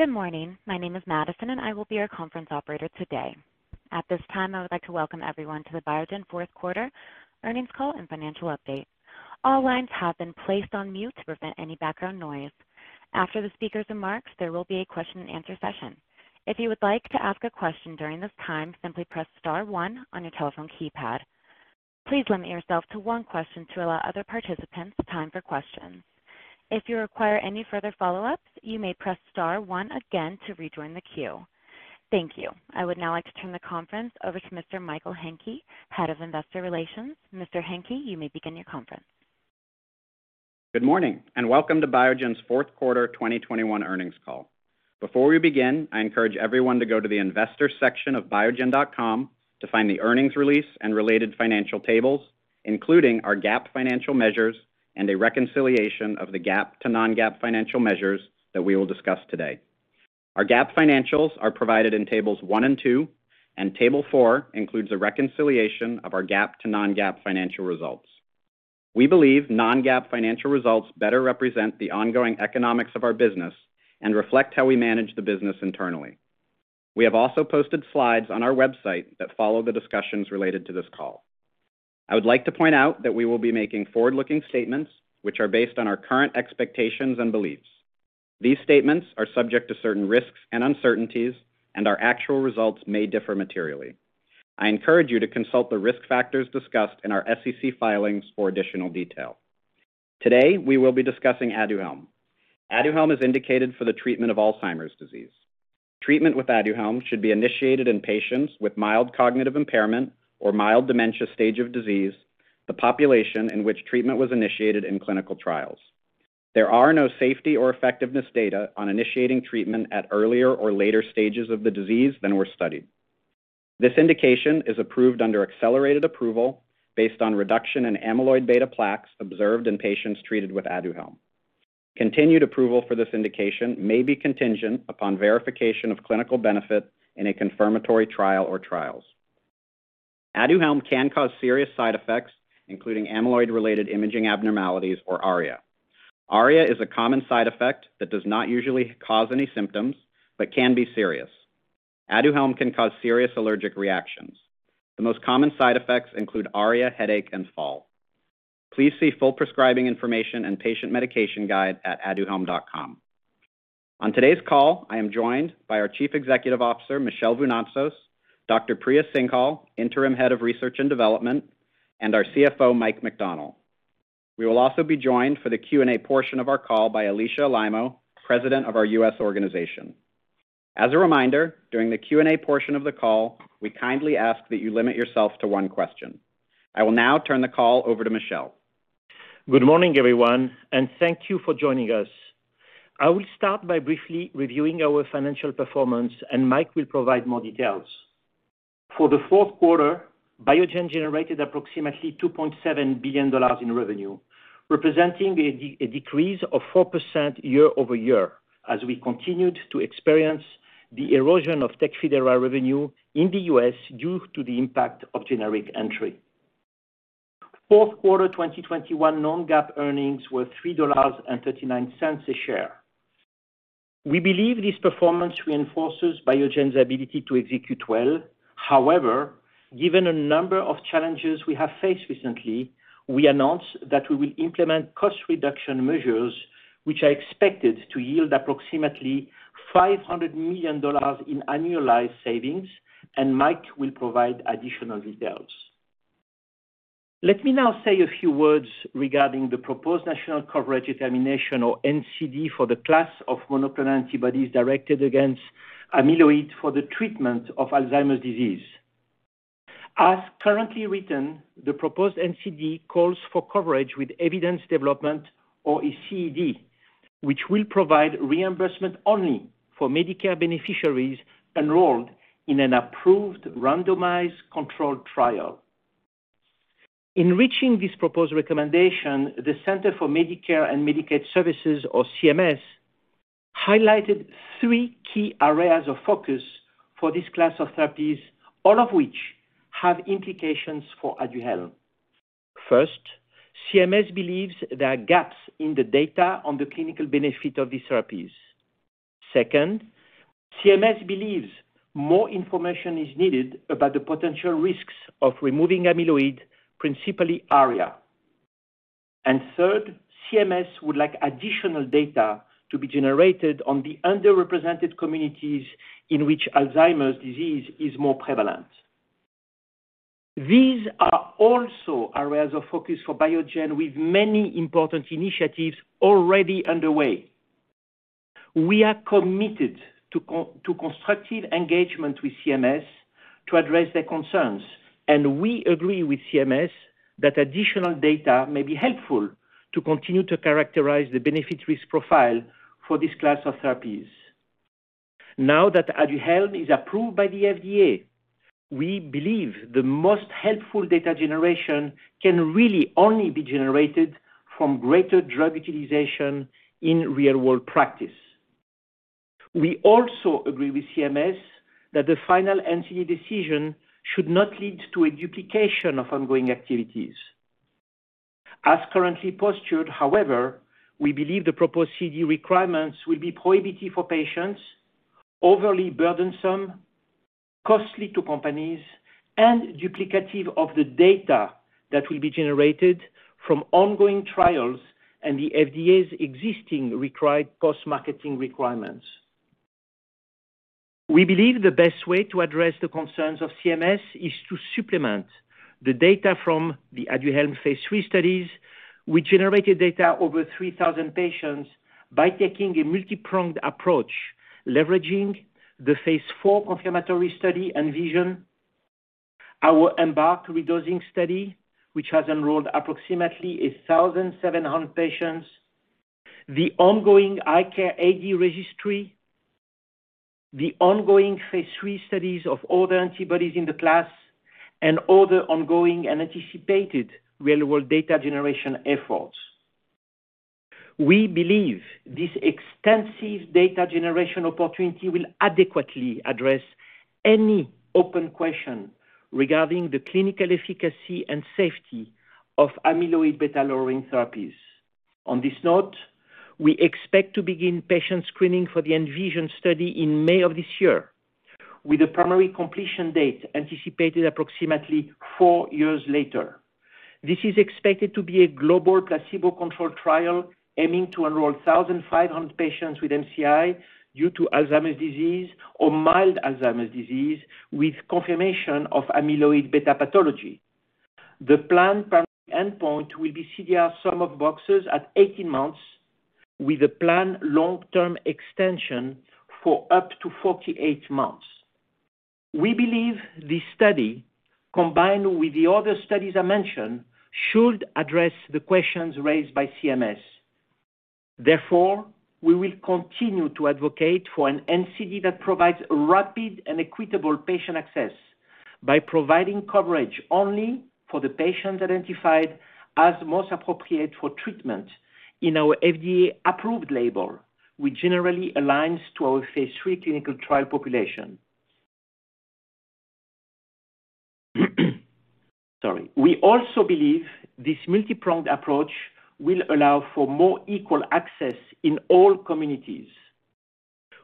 Good morning. My name is Madison, and I will be your conference operator today. At this time, I would like to welcome everyone to the Biogen fourth quarter earnings call and financial update. All lines have been placed on mute to prevent any background noise. After the speakers' remarks, there will be a question and answer session. If you would like to ask a question during this time, simply press star one on your telephone keypad. Please limit yourself to one question to allow other participants time for questions. If you require any further follow-ups, you may press star one again to rejoin the queue. Thank you. I would now like to turn the conference over to Mr. Mike Hencke, Head of Investor Relations. Mr. Hencke, you may begin your conference. Good morning, and welcome to Biogen's fourth quarter 2021 earnings call. Before we begin, I encourage everyone to go to the investor section of biogen.com to find the earnings release and related financial tables, including our GAAP financial measures and a reconciliation of the GAAP to non-GAAP financial measures that we will discuss today. Our GAAP financials are provided in tables one and two, and table four includes a reconciliation of our GAAP to non-GAAP financial results. We believe non-GAAP financial results better represent the ongoing economics of our business and reflect how we manage the business internally. We have also posted slides on our website that follow the discussions related to this call. I would like to point out that we will be making forward-looking statements, which are based on our current expectations and beliefs. These statements are subject to certain risks and uncertainties, and our actual results may differ materially. I encourage you to consult the risk factors discussed in our SEC filings for additional detail. Today, we will be discussing Aduhelm. Aduhelm is indicated for the treatment of Alzheimer's disease. Treatment with Aduhelm should be initiated in patients with mild cognitive impairment or mild dementia stage of disease, the population in which treatment was initiated in clinical trials. There are no safety or effectiveness data on initiating treatment at earlier or later stages of the disease than were studied. This indication is approved under accelerated approval based on reduction in amyloid beta plaques observed in patients treated with Aduhelm. Continued approval for this indication may be contingent upon verification of clinical benefit in a confirmatory trial or trials. Aduhelm can cause serious side effects, including amyloid-related imaging abnormalities, or ARIA. ARIA is a common side effect that does not usually cause any symptoms but can be serious. Aduhelm can cause serious allergic reactions. The most common side effects include ARIA, headache, and fall. Please see full prescribing information and patient medication guide at aduhelm.com. On today's call, I am joined by our Chief Executive Officer, Michel Vounatsos, Dr. Priya Singhal, Interim Head of Research and Development, and our CFO, Mike McDonnell. We will also be joined for the Q&A portion of our call by Alisha Alaimo, President of our U.S. organization. As a reminder, during the Q&A portion of the call, we kindly ask that you limit yourself to one question. I will now turn the call over to Michel. Good morning, everyone, and thank you for joining us. I will start by briefly reviewing our financial performance, and Mike will provide more details. For the fourth quarter, Biogen generated approximately $2.7 billion in revenue, representing a decrease of 4% year-over-year as we continued to experience the erosion of Tecfidera revenue in the U.S. due to the impact of generic entry. Fourth quarter 2021 non-GAAP earnings were $3.39 a share. We believe this performance reinforces Biogen's ability to execute well. However, given a number of challenges we have faced recently, we announce that we will implement cost reduction measures, which are expected to yield approximately $500 million in annualized savings, and Mike will provide additional details. Let me now say a few words regarding the proposed national coverage determination or NCD for the class of monoclonal antibodies directed against amyloid for the treatment of Alzheimer's disease. As currently written, the proposed NCD calls for coverage with evidence development or CED, which will provide reimbursement only for Medicare beneficiaries enrolled in an approved randomized controlled trial. In reaching this proposed recommendation, the Centers for Medicare & Medicaid Services or CMS highlighted three key areas of focus for this class of therapies, all of which have implications for Aduhelm. First, CMS believes there are gaps in the data on the clinical benefit of these therapies. Second, CMS believes more information is needed about the potential risks of removing amyloid, principally ARIA. Third, CMS would like additional data to be generated on the underrepresented communities in which Alzheimer's disease is more prevalent. These are also areas of focus for Biogen with many important initiatives already underway. We are committed to constructive engagement with CMS to address their concerns, and we agree with CMS that additional data may be helpful to continue to characterize the benefit risk profile for this class of therapies. Now that Aduhelm is approved by the FDA, we believe the most helpful data generation can really only be generated from greater drug utilization in real-world practice. We also agree with CMS that the final NCD decision should not lead to a duplication of ongoing activities. As currently postured, however, we believe the proposed CD requirements will be prohibitive for patients, overly burdensome, costly to companies, and duplicative of the data that will be generated from ongoing trials and the FDA's existing required post-marketing requirements. We believe the best way to address the concerns of CMS is to supplement the data from the Aduhelm phase III studies, which generated data over 3,000 patients by taking a multi-pronged approach, leveraging the phase IV confirmatory study ENVISION, our EMBARK redosing study, which has enrolled approximately 1,700 patients, the ongoing ICARE AD registry, the ongoing phase III studies of other antibodies in the class, and other ongoing anticipated real-world data generation efforts. We believe this extensive data generation opportunity will adequately address any open question regarding the clinical efficacy and safety of amyloid beta-lowering therapies. On this note, we expect to begin patient screening for the ENVISION study in May of this year, with a primary completion date anticipated approximately four years later. This is expected to be a global placebo-controlled trial aiming to enroll 1,500 patients with MCI due to Alzheimer's disease or mild Alzheimer's disease with confirmation of amyloid beta pathology. The planned primary endpoint will be CDR-Sum of Boxes at 18 months with a planned long-term extension for up to 48 months. We believe this study, combined with the other studies I mentioned, should address the questions raised by CMS. Therefore, we will continue to advocate for an NCD that provides rapid and equitable patient access by providing coverage only for the patients identified as most appropriate for treatment in our FDA-approved label, which generally aligns to our phase III clinical trial population. Sorry. We also believe this multi-pronged approach will allow for more equal access in all communities.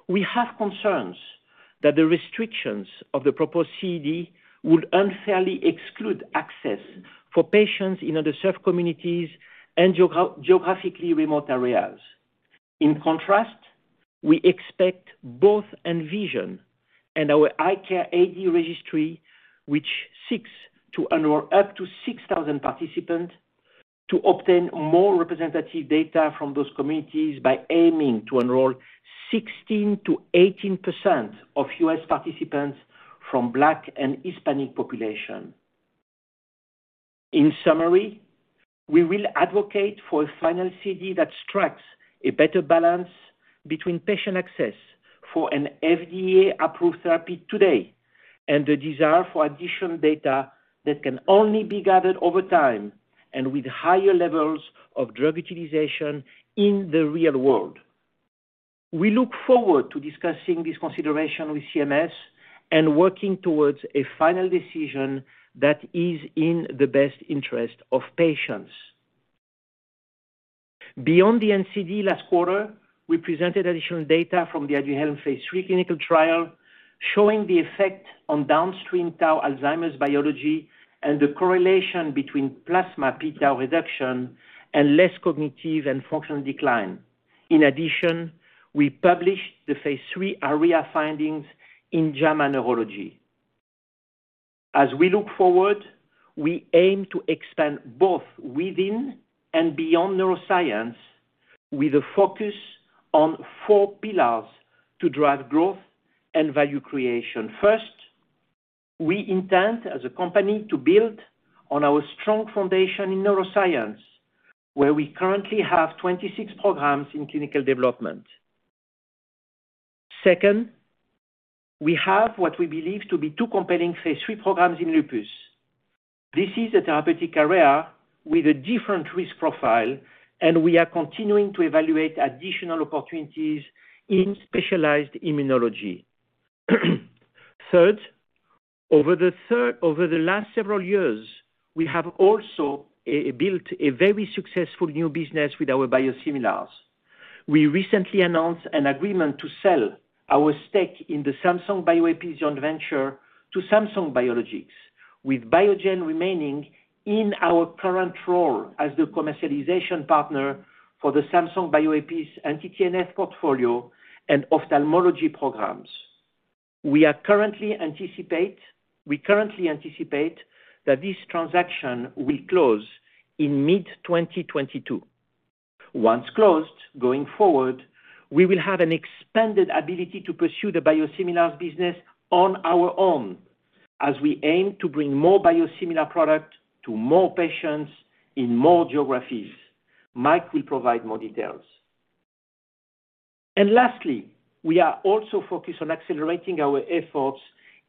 We have concerns that the restrictions of the proposed CED would unfairly exclude access for patients in underserved communities and geographically remote areas. In contrast, we expect both ENVISION and our ICARE AD registry, which seeks to enroll up to 6,000 participants to obtain more representative data from those communities by aiming to enroll 16%-18% of U.S. participants from Black and Hispanic population. In summary, we will advocate for a final NCD that strikes a better balance between patient access for an FDA-approved therapy today and the desire for additional data that can only be gathered over time and with higher levels of drug utilization in the real world. We look forward to discussing this consideration with CMS and working towards a final decision that is in the best interest of patients. Beyond the NCD last quarter, we presented additional data from the Aduhelm phase III clinical trial showing the effect on downstream tau Alzheimer's biology and the correlation between plasma p-tau reduction and less cognitive and functional decline. In addition, we published the phase III ARIA findings in JAMA Neurology. As we look forward, we aim to expand both within and beyond neuroscience with a focus on four pillars to drive growth and value creation. First, we intend as a company to build on our strong foundation in neuroscience, where we currently have 26 programs in clinical development. Second, we have what we believe to be two compelling phase III programs in lupus. This is a therapeutic area with a different risk profile, and we are continuing to evaluate additional opportunities in specialized immunology. Third, over the last several years, we have also built a very successful new business with our biosimilars. We recently announced an agreement to sell our stake in the Samsung Bioepis joint venture to Samsung Biologics, with Biogen remaining in our current role as the commercialization partner for the Samsung Bioepis anti-TNF portfolio and ophthalmology programs. We currently anticipate that this transaction will close in mid-2022. Once closed, going forward, we will have an expanded ability to pursue the biosimilars business on our own as we aim to bring more biosimilar product to more patients in more geographies. Mike will provide more details. Lastly, we are also focused on accelerating our efforts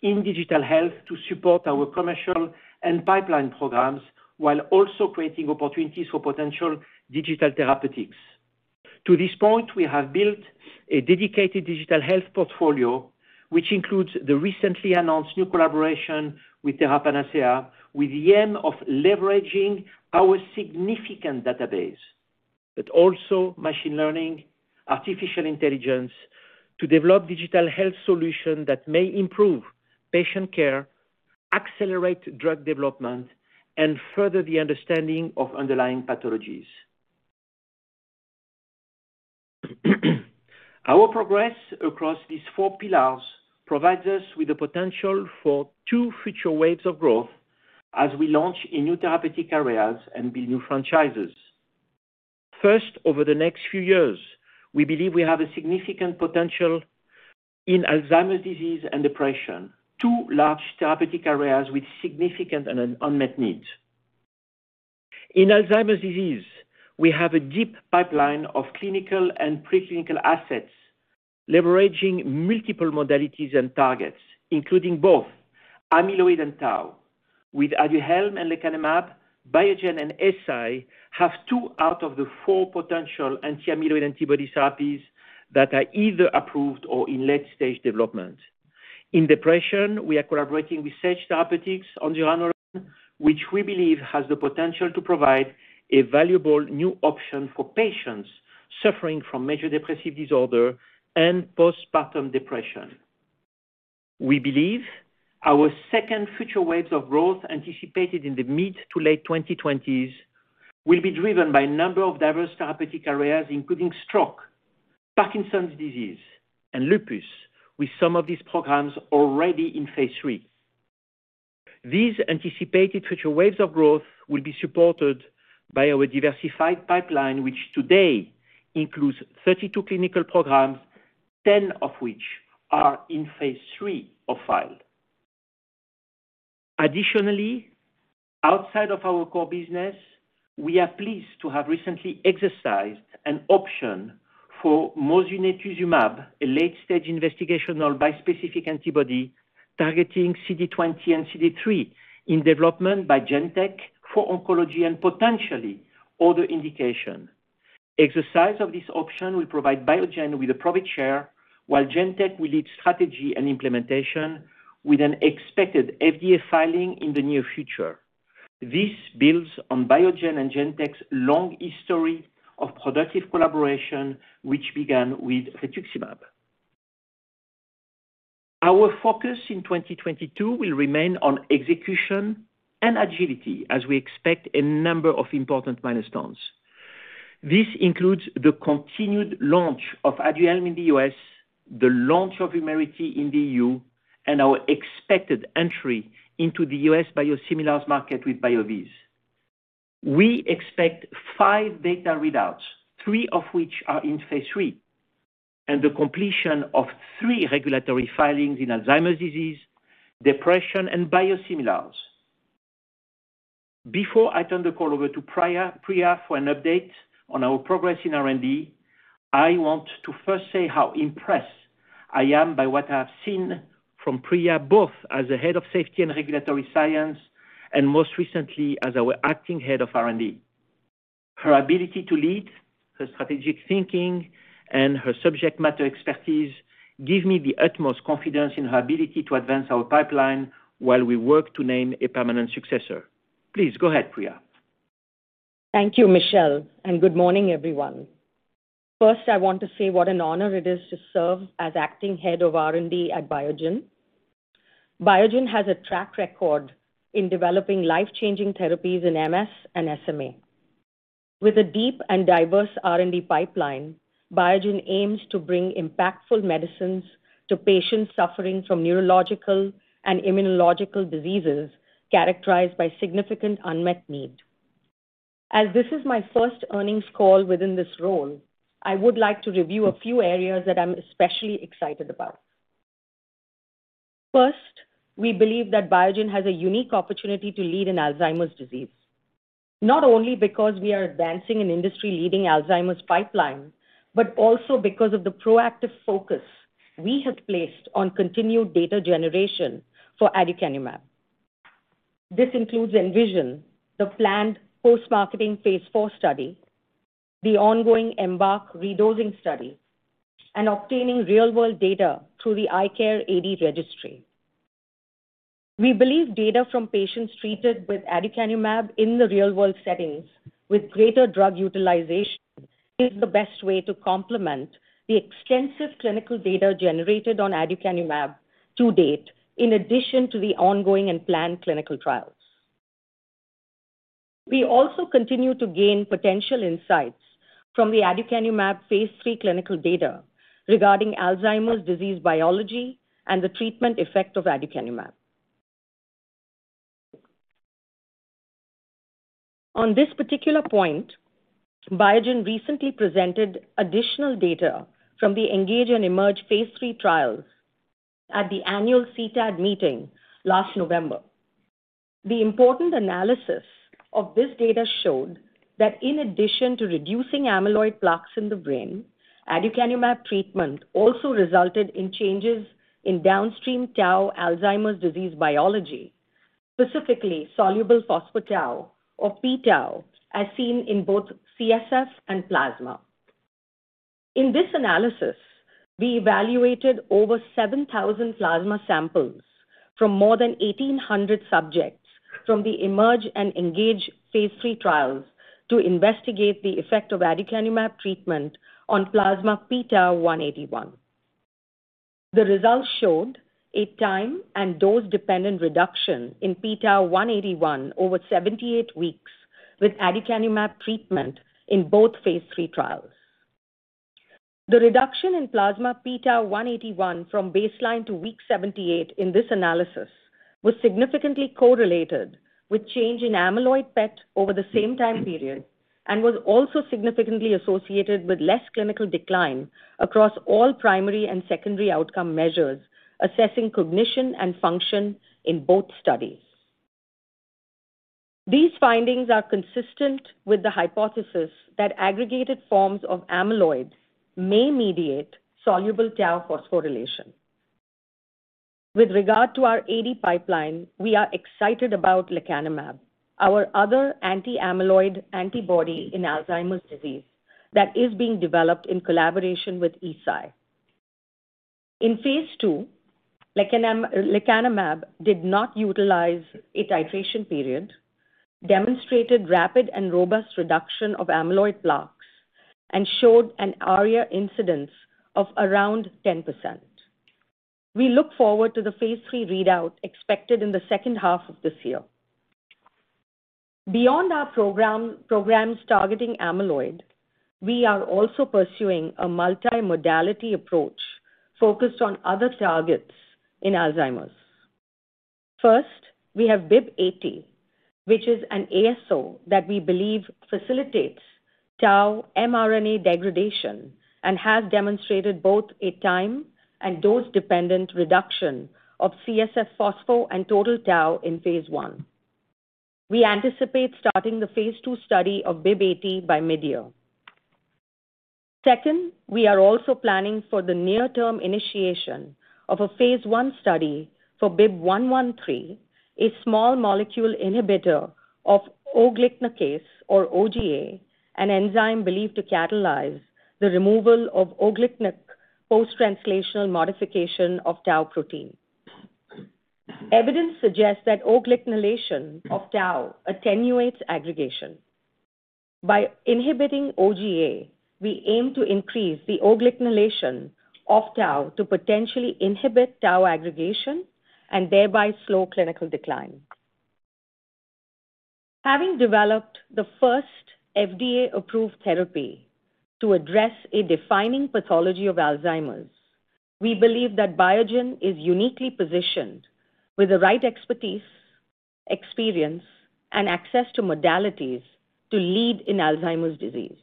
in digital health to support our commercial and pipeline programs while also creating opportunities for potential digital therapeutics. To this point, we have built a dedicated digital health portfolio, which includes the recently announced new collaboration with TheraPanacea, with the aim of leveraging our significant database, but also machine learning, artificial intelligence, to develop digital health solution that may improve patient care, accelerate drug development, and further the understanding of underlying pathologies. Our progress across these four pillars provides us with the potential for two future waves of growth as we launch in new therapeutic areas and build new franchises. First, over the next few years, we believe we have a significant potential in Alzheimer's disease and depression, two large therapeutic areas with significant and unmet needs. In Alzheimer's disease, we have a deep pipeline of clinical and pre-clinical assets, leveraging multiple modalities and targets, including both amyloid and tau. With Aduhelm and lecanemab, Biogen and Eisai have two out of the four potential anti-amyloid antibody therapies that are either approved or in late-stage development. In depression, we are collaborating with Sage Therapeutics on zuranolone, which we believe has the potential to provide a valuable new option for patients suffering from major depressive disorder and postpartum depression. We believe our second future waves of growth, anticipated in the mid- to late 2020s, will be driven by a number of diverse therapeutic areas, including stroke, Parkinson's disease, and lupus, with some of these programs already in phase III. These anticipated future waves of growth will be supported by our diversified pipeline, which today includes 32 clinical programs, 10 of which are in phase III or V. Additionally, outside of our core business, we are pleased to have recently exercised an option for mosunetuzumab, a late-stage investigational bispecific antibody targeting CD20 and CD3 in development by Genentech for oncology and potentially other indication. Exercise of this option will provide Biogen with a private share, while Genentech will lead strategy and implementation with an expected FDA filing in the near future. This builds on Biogen and Genentech's long history of productive collaboration, which began with rituximab. Our focus in 2022 will remain on execution and agility as we expect a number of important milestones. This includes the continued launch of Aduhelm in the U.S., the launch of Imraldi in the E.U., and our expected entry into the U.S. biosimilars market with BYOOVIZ. We expect five data readouts, three of which are in phase III, and the completion of three regulatory filings in Alzheimer's disease, depression, and biosimilars. Before I turn the call over to Priya for an update on our progress in R&D, I want to first say how impressed I am by what I have seen from Priya, both as a head of safety and regulatory science, and most recently as our acting head of R&D. Her ability to lead, her strategic thinking, and her subject matter expertise give me the utmost confidence in her ability to advance our pipeline while we work to name a permanent successor. Please go ahead, Priya. Thank you, Michel, and good morning, everyone. First, I want to say what an honor it is to serve as acting head of R&D at Biogen. Biogen has a track record in developing life-changing therapies in MS and SMA. With a deep and diverse R&D pipeline, Biogen aims to bring impactful medicines to patients suffering from neurological and immunological diseases characterized by significant unmet need. As this is my first earnings call within this role, I would like to review a few areas that I'm especially excited about. First, we believe that Biogen has a unique opportunity to lead in Alzheimer's disease, not only because we are advancing an industry-leading Alzheimer's pipeline, but also because of the proactive focus we have placed on continued data generation for aducanumab. This includes ENVISION, the planned post-marketing phase IV study, the ongoing EMBARK re-dosing study, and obtaining real-world data through the ICARE AD registry. We believe data from patients treated with aducanumab in the real-world settings with greater drug utilization is the best way to complement the extensive clinical data generated on aducanumab to date, in addition to the ongoing and planned clinical trials. We also continue to gain potential insights from the aducanumab phase III clinical data regarding Alzheimer's disease biology and the treatment effect of aducanumab. On this particular point, Biogen recently presented additional data from the ENGAGE and EMERGE phase III trials at the annual CTAD meeting last November. The important analysis of this data showed that in addition to reducing amyloid plaques in the brain, aducanumab treatment also resulted in changes in downstream tau Alzheimer's disease biology, specifically soluble phospho-tau or p-tau as seen in both CSF and plasma. In this analysis, we evaluated over 7,000 plasma samples from more than 1,800 subjects from the EMERGE and ENGAGE phase III trials to investigate the effect of aducanumab treatment on plasma p-tau181. The results showed a time and dose-dependent reduction in p-tau181 over 78 weeks with aducanumab treatment in both phase III trials. The reduction in plasma p-tau181 from baseline to week 78 in this analysis was significantly correlated with change in amyloid PET over the same time period, and was also significantly associated with less clinical decline across all primary and secondary outcome measures, assessing cognition and function in both studies. These findings are consistent with the hypothesis that aggregated forms of amyloid may mediate soluble tau phosphorylation. With regard to our AD pipeline, we are excited about lecanemab, our other anti-amyloid antibody in Alzheimer's disease that is being developed in collaboration with Eisai. In phase II, lecanemab did not utilize a titration period, demonstrated rapid and robust reduction of amyloid plaques, and showed an ARIA incidence of around 10%. We look forward to the phase III readout expected in the second half of this year. Beyond our program, programs targeting amyloid, we are also pursuing a multimodality approach focused on other targets in Alzheimer's. First, we have BIIB080, which is an ASO that we believe facilitates tau mRNA degradation and has demonstrated both a time and dose-dependent reduction of CSF phospho and total tau in phase I. We anticipate starting the phase II study of BIIB080 by mid-year. Second, we are also planning for the near-term initiation of a phase I study for BIIB113, a small molecule inhibitor of O-GlcNAcase or OGA, an enzyme believed to catalyze the removal of O-GlcNAc post-translational modification of tau protein. Evidence suggests that O-GlcNAcylation of tau attenuates aggregation. By inhibiting OGA, we aim to increase the O-GlcNAcylation of tau to potentially inhibit tau aggregation and thereby slow clinical decline. Having developed the first FDA-approved therapy to address a defining pathology of Alzheimer's, we believe that Biogen is uniquely positioned with the right expertise, experience, and access to modalities to lead in Alzheimer's disease.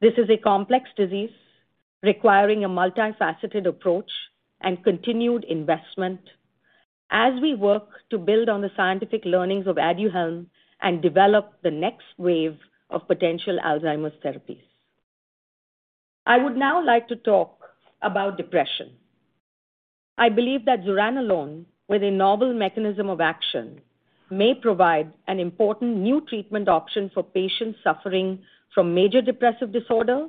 This is a complex disease requiring a multifaceted approach and continued investment as we work to build on the scientific learnings of Aduhelm and develop the next wave of potential Alzheimer's therapies. I would now like to talk about depression. I believe that zuranolone with a novel mechanism of action may provide an important new treatment option for patients suffering from major depressive disorder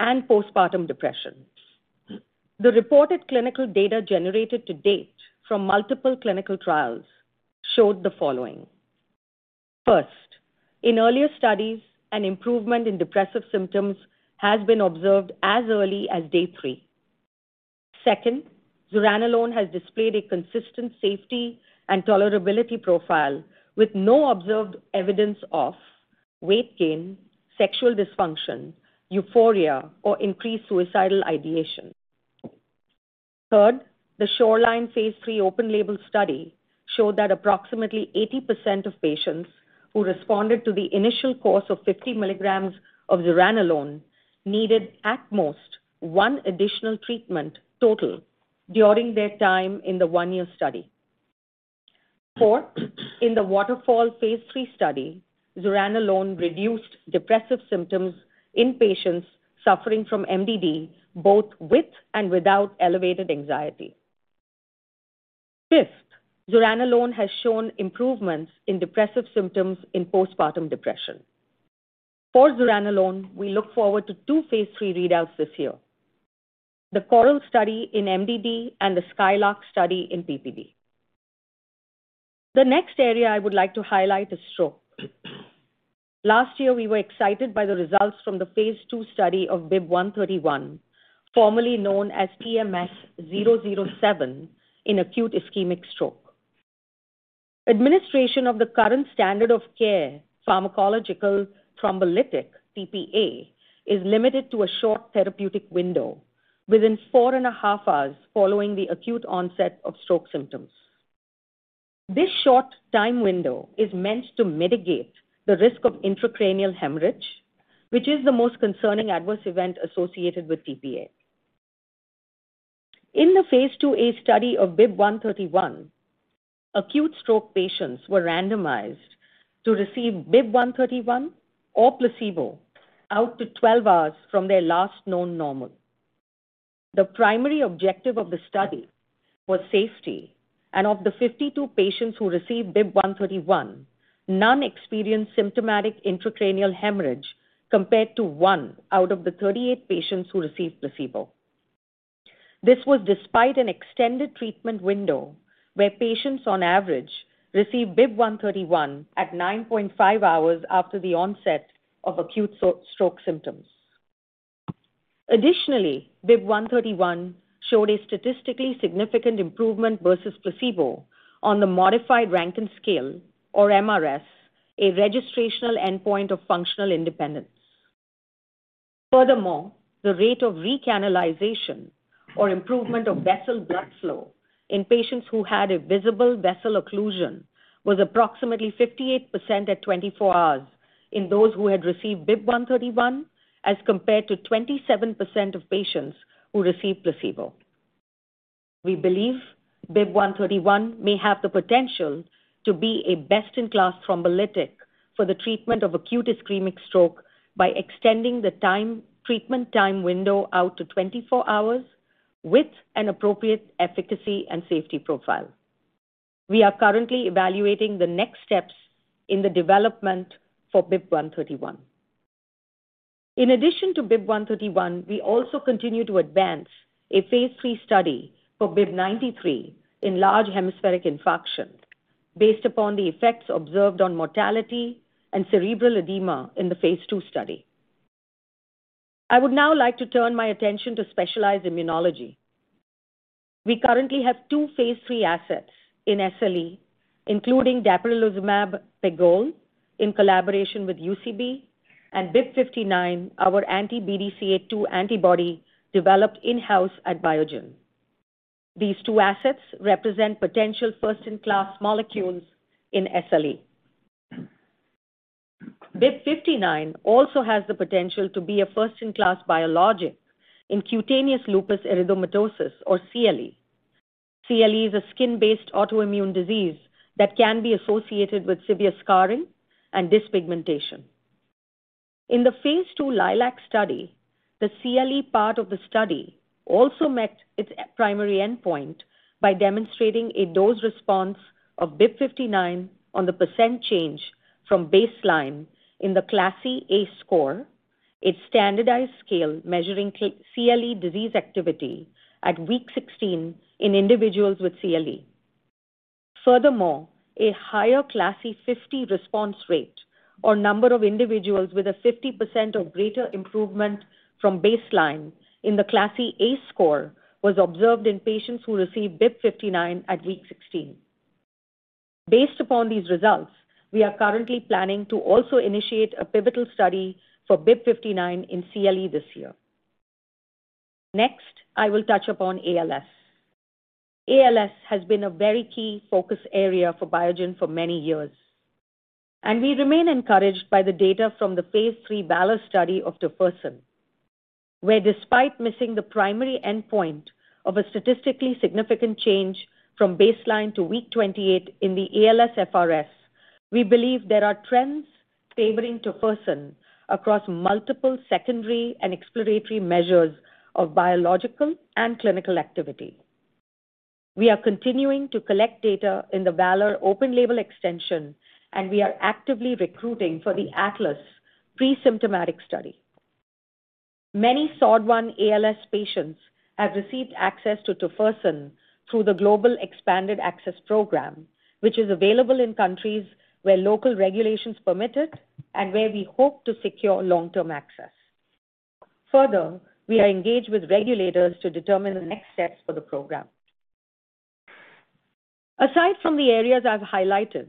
and postpartum depression. The reported clinical data generated to date from multiple clinical trials showed the following. First, in earlier studies, an improvement in depressive symptoms has been observed as early as day three. Second, zuranolone has displayed a consistent safety and tolerability profile with no observed evidence of weight gain, sexual dysfunction, euphoria, or increased suicidal ideation. Third, the SHORELINE phase III open-label study showed that approximately 80% of patients who responded to the initial course of 50 mg of zuranolone needed at most one additional treatment total during their time in the one-year study. Fourth, in the WATERFALL phase III study, zuranolone reduced depressive symptoms in patients suffering from MDD, both with and without elevated anxiety. Fifth, zuranolone has shown improvements in depressive symptoms in postpartum depression. For zuranolone, we look forward to two phase III readouts this year, the CORAL study in MDD and the SKYLARK study in PPD. The next area I would like to highlight is stroke. Last year, we were excited by the results from the phase II study of BIIB131, formerly known as TMS-007 in acute ischemic stroke. Administration of the current standard of care pharmacological thrombolytic tPA is limited to a short therapeutic window within four and a half hours following the acute onset of stroke symptoms. This short time window is meant to mitigate the risk of intracranial hemorrhage, which is the most concerning adverse event associated with tPA. In the phase IIa study of BIIB131, acute stroke patients were randomized to receive BIIB131 or placebo out to 12 hours from their last known normal. The primary objective of the study was safety. Of the 52 patients who received BIIB131, none experienced symptomatic intracranial hemorrhage compared to one out of the 38 patients who received placebo. This was despite an extended treatment window where patients on average received BIIB131 at 9.5 hours after the onset of acute stroke symptoms. Additionally, BIIB131 showed a statistically significant improvement versus placebo on the Modified Rankin Scale or mRS, a registrational endpoint of functional independence. Furthermore, the rate of recanalization or improvement of vessel blood flow in patients who had a visible vessel occlusion was approximately 58% at 24 hours in those who had received BIIB131 as compared to 27% of patients who received placebo. We believe BIIB131 may have the potential to be a best-in-class thrombolytic for the treatment of acute ischemic stroke by extending the time, treatment time window out to 24 hours with an appropriate efficacy and safety profile. We are currently evaluating the next steps in the development for BIIB131. In addition to BIIB131, we also continue to advance a phase III study for BIIB093 in large hemispheric infarction based upon the effects observed on mortality and cerebral edema in the phase II study. I would now like to turn my attention to specialized immunology. We currently have two phase III assets in SLE, including dapirolizumab pegol in collaboration with UCB, and BIIB059, our anti-BDCA-2 antibody developed in-house at Biogen. These two assets represent potential first-in-class molecules in SLE. BIIB059 also has the potential to be a first-in-class biologic in cutaneous lupus erythematosus or CLE. CLE is a skin-based autoimmune disease that can be associated with severe scarring and dyspigmentation. In the phase II LILAC study, the CLE part of the study also met its primary endpoint by demonstrating a dose response of BIIB059 on the percent change from baseline in the CLASI Activity Score, its standardized scale measuring cutaneous CLE disease activity at week 16 in individuals with CLE. Furthermore, a higher CLASI 50 response rate or number of individuals with a 50% or greater improvement from baseline in the CLASI-A score was observed in patients who received BIIB059 at week 16. Based upon these results, we are currently planning to also initiate a pivotal study for BIIB059 in CLE this year. Next, I will touch upon ALS. ALS has been a very key focus area for Biogen for many years, and we remain encouraged by the data from the phase III VALOR study of tofersen, where despite missing the primary endpoint of a statistically significant change from baseline to week 28 in the ALSFRS, we believe there are trends favoring tofersen across multiple secondary and exploratory measures of biological and clinical activity. We are continuing to collect data in the VALOR open label extension, and we are actively recruiting for the ATLAS presymptomatic study. Many SOD1 ALS patients have received access to tofersen through the Global Expanded Access Program, which is available in countries where local regulations permit it and where we hope to secure long-term access. Further, we are engaged with regulators to determine the next steps for the program. Aside from the areas I've highlighted,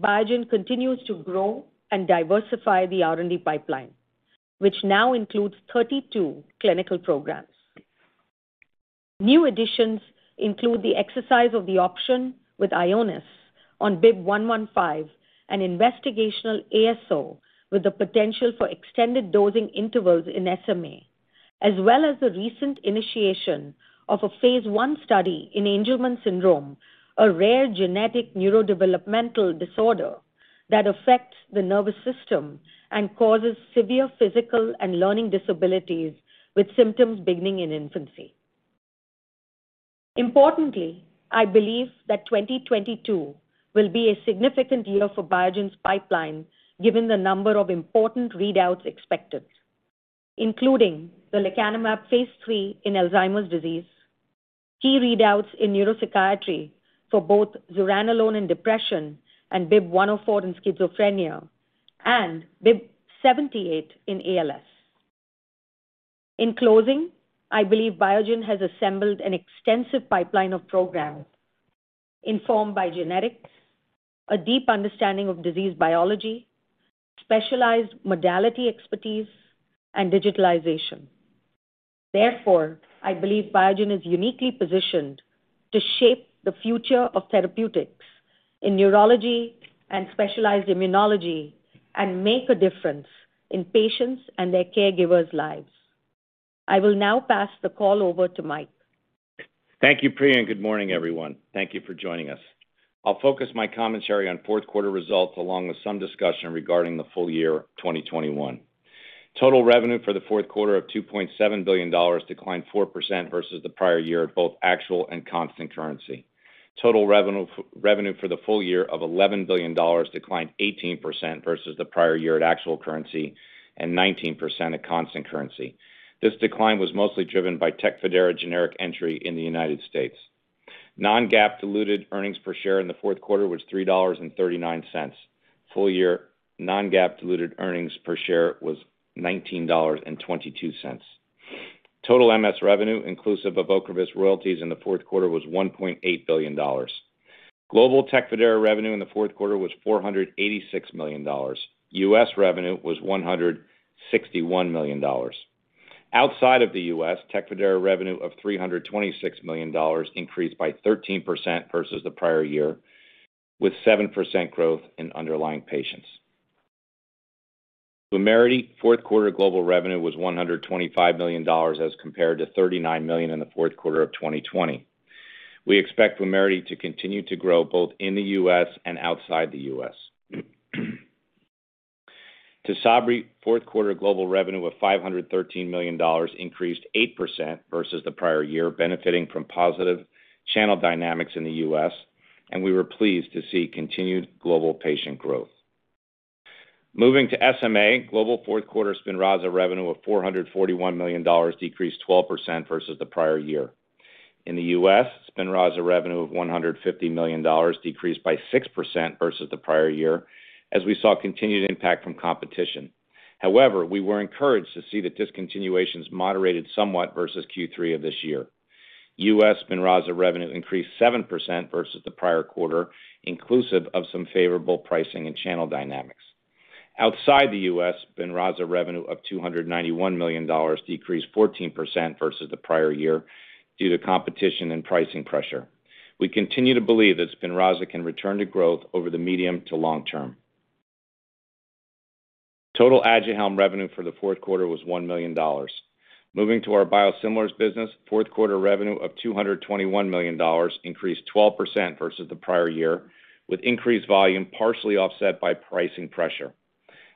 Biogen continues to grow and diversify the R&D pipeline, which now includes 32 clinical programs. New additions include the exercise of the option with Ionis on BIIB 115, an investigational ASO with the potential for extended dosing intervals in SMA, as well as the recent initiation of a phase I study in Angelman syndrome, a rare genetic neurodevelopmental disorder that affects the nervous system and causes severe physical and learning disabilities with symptoms beginning in infancy. Importantly, I believe that 2022 will be a significant year for Biogen's pipeline given the number of important readouts expected, including the lecanemab phase III in Alzheimer's disease, key readouts in neuropsychiatry for both zuranolone in depression and BIIB 104 in schizophrenia, and BIIB 78 in ALS. In closing, I believe Biogen has assembled an extensive pipeline of programs informed by genetics, a deep understanding of disease biology, specialized modality expertise, and digitalization. Therefore, I believe Biogen is uniquely positioned to shape the future of therapeutics in neurology and specialized immunology and make a difference in patients and their caregivers' lives. I will now pass the call over to Mike. Thank you, Priya, and good morning, everyone. Thank you for joining us. I'll focus my commentary on fourth quarter results along with some discussion regarding the full year 2021. Total revenue for the fourth quarter of $2.7 billion declined 4% versus the prior year at both actual and constant currency. Total revenue for the full year of $11 billion declined 18% versus the prior year at actual currency and 19% at constant currency. This decline was mostly driven by Tecfidera generic entry in the United States. Non-GAAP diluted earnings per share in the fourth quarter was $3.39. Full year non-GAAP diluted earnings per share was $19.22. Total MS revenue inclusive of Ocrevus royalties in the fourth quarter was $1.8 billion. Global Tecfidera revenue in the fourth quarter was $486 million. U.S. revenue was $161 million. Outside of the U.S., Tecfidera revenue of $326 million increased by 13% versus the prior year, with 7% growth in underlying patients. Vumerity fourth quarter global revenue was $125 million as compared to $39 million in the fourth quarter of 2020. We expect Vumerity to continue to grow both in the U.S. and outside the U.S. Tysabri fourth quarter global revenue of $513 million increased 8% versus the prior year, benefiting from positive channel dynamics in the U.S., and we were pleased to see continued global patient growth. Moving to SMA, global fourth quarter Spinraza revenue of $441 million decreased 12% versus the prior year. In the U.S., Spinraza revenue of $150 million decreased by 6% versus the prior year as we saw continued impact from competition. However, we were encouraged to see the discontinuations moderated somewhat versus Q3 of this year. U.S. Spinraza revenue increased 7% versus the prior quarter, inclusive of some favorable pricing and channel dynamics. Outside the U.S., Spinraza revenue of $291 million decreased 14% versus the prior year due to competition and pricing pressure. We continue to believe that Spinraza can return to growth over the medium to long-term. Total Aduhelm revenue for the fourth quarter was $1 million. Moving to our biosimilars business, fourth quarter revenue of $221 million increased 12% versus the prior year, with increased volume partially offset by pricing pressure.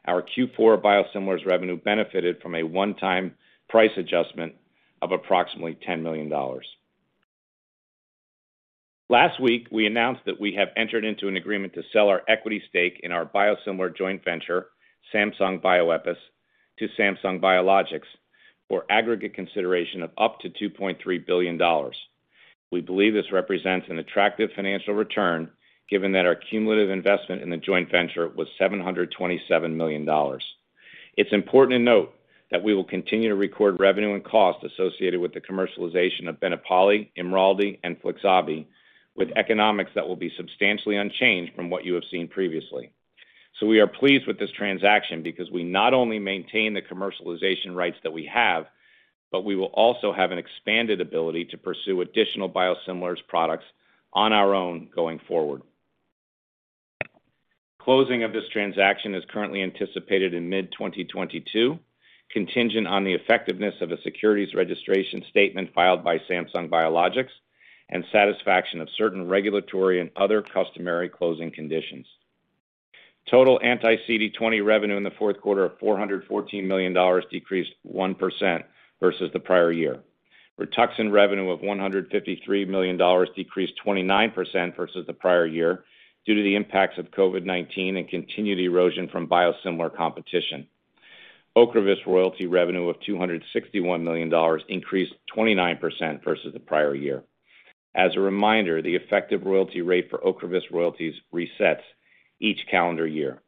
Our Q4 biosimilars revenue benefited from a one-time price adjustment of approximately $10 million. Last week, we announced that we have entered into an agreement to sell our equity stake in our biosimilar joint venture, Samsung Bioepis, to Samsung Biologics for aggregate consideration of up to $2.3 billion. We believe this represents an attractive financial return given that our cumulative investment in the joint venture was $727 million. It's important to note that we will continue to record revenue and cost associated with the commercialization of Benepali, Imraldi, and Flixabi with economics that will be substantially unchanged from what you have seen previously. We are pleased with this transaction because we not only maintain the commercialization rights that we have, but we will also have an expanded ability to pursue additional biosimilars products on our own going forward. Closing of this transaction is currently anticipated in mid-2022, contingent on the effectiveness of a securities registration statement filed by Samsung Biologics and satisfaction of certain regulatory and other customary closing conditions. Total anti-CD20 revenue in the fourth quarter of $414 million decreased 1% versus the prior year. Rituxan revenue of $153 million decreased 29% versus the prior year due to the impacts of COVID-19 and continued erosion from biosimilar competition. Ocrevus royalty revenue of $261 million increased 29% versus the prior year. As a reminder, the effective royalty rate for Ocrevus royalties resets each calendar year.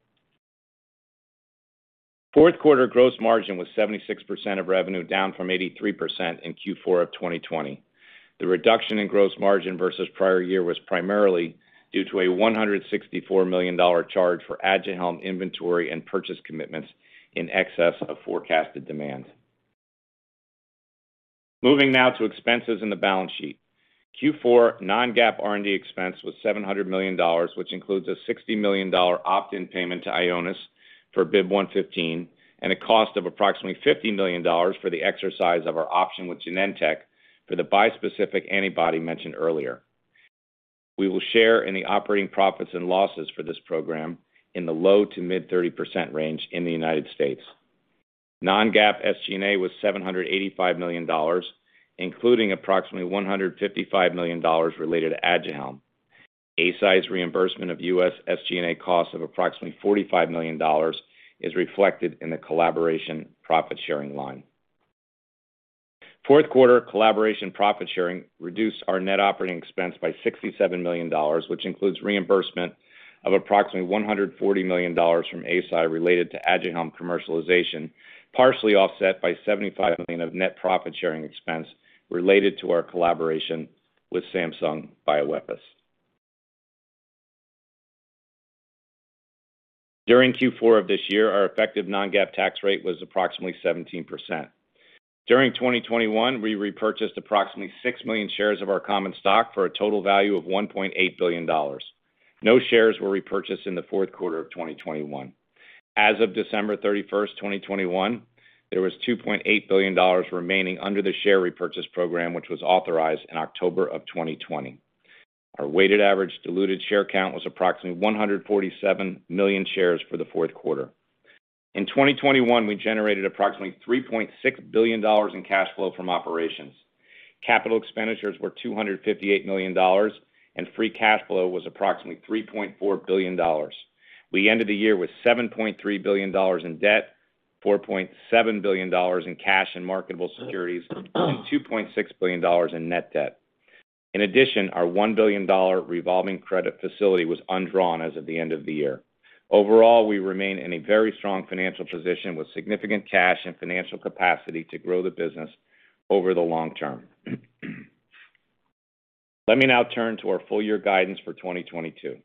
Fourth quarter gross margin was 76% of revenue, down from 83% in Q4 of 2020. The reduction in gross margin versus prior year was primarily due to a $164 million charge for Aduhelm inventory and purchase commitments in excess of forecasted demand. Moving now to expenses in the balance sheet. Q4 non-GAAP R&D expense was $700 million, which includes a $60 million opt-in payment to Ionis for BIIB115 and a cost of approximately $50 million for the exercise of our option with Genentech for the bispecific antibody mentioned earlier. We will share in the operating profits and losses for this program in the low- to mid-30% range in the U.S. Non-GAAP SG&A was $785 million, including approximately $155 million related to Aduhelm. Eisai's reimbursement of U.S. SG&A costs of approximately $45 million is reflected in the collaboration profit sharing line. Fourth quarter collaboration profit sharing reduced our net operating expense by $67 million, which includes reimbursement of approximately $140 million from Eisai related to Aduhelm commercialization, partially offset by $75 million of net profit sharing expense related to our collaboration with Samsung Bioepis. During Q4 of this year, our effective non-GAAP tax rate was approximately 17%. During 2021, we repurchased approximately 6 million shares of our common stock for a total value of $1.8 billion. No shares were repurchased in the fourth quarter of 2021. As of December 31st, 2021, there was $2.8 billion remaining under the share repurchase program, which was authorized in October of 2020. Our weighted average diluted share count was approximately 147 million shares for the fourth quarter. In 2021, we generated approximately $3.6 billion in cash flow from operations. Capital expenditures were $258 million, and free cash flow was approximately $3.4 billion. We ended the year with $7.3 billion in debt, $4.7 billion in cash and marketable securities, and $2.6 billion in net debt. In addition, our $1 billion revolving credit facility was undrawn as of the end of the year. Overall, we remain in a very strong financial position with significant cash and financial capacity to grow the business over the long term. Let me now turn to our full year guidance for 2022.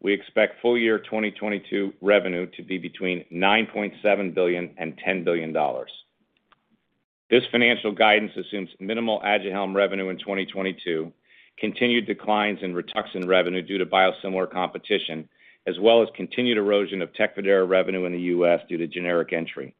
We expect full year 2022 revenue to be between $9.7 billion and $10 billion. This financial guidance assumes minimal Aduhelm revenue in 2022, continued declines in Rituxan revenue due to biosimilar competition, as well as continued erosion of Tecfidera revenue in the U.S. due to generic entry.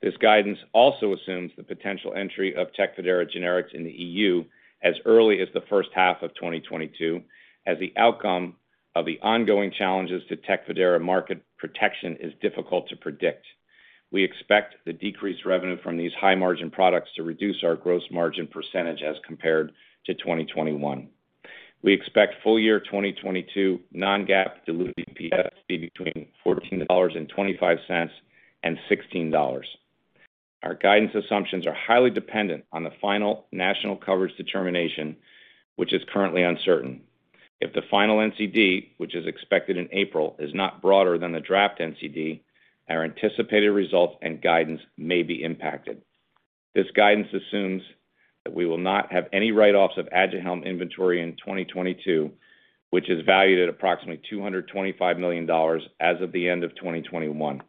This guidance also assumes the potential entry of Tecfidera generics in the EU as early as the first half of 2022, as the outcome of the ongoing challenges to Tecfidera market protection is difficult to predict. We expect the decreased revenue from these high-margin products to reduce our gross margin percentage as compared to 2021. We expect full year 2022 non-GAAP diluted EPS to be between $14.25 and $16. Our guidance assumptions are highly dependent on the final national coverage determination, which is currently uncertain. If the final NCD, which is expected in April, is not broader than the draft NCD, our anticipated results and guidance may be impacted. This guidance assumes that we will not have any write-offs of Aduhelm inventory in 2022, which is valued at approximately $225 million as of the end of 2021.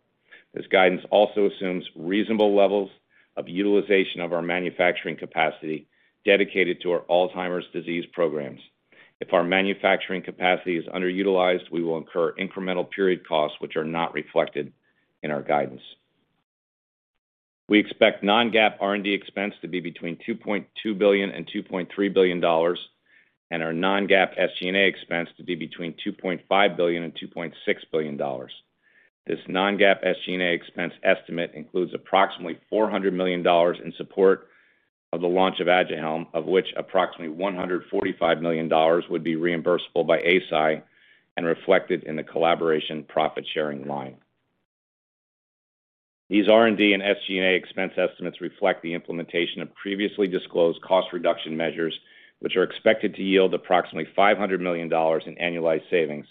This guidance also assumes reasonable levels of utilization of our manufacturing capacity dedicated to our Alzheimer's disease programs. If our manufacturing capacity is underutilized, we will incur incremental period costs which are not reflected in our guidance. We expect non-GAAP R&D expense to be between $2.2 billion-$2.3 billion, and our non-GAAP SG&A expense to be between $2.5 billion-$2.6 billion. This non-GAAP SG&A expense estimate includes approximately $400 million in support of the launch of Aduhelm, of which approximately $145 million would be reimbursable by Eisai and reflected in the collaboration profit-sharing line. These R&D and SG&A expense estimates reflect the implementation of previously disclosed cost reduction measures, which are expected to yield approximately $500 million in annualized savings,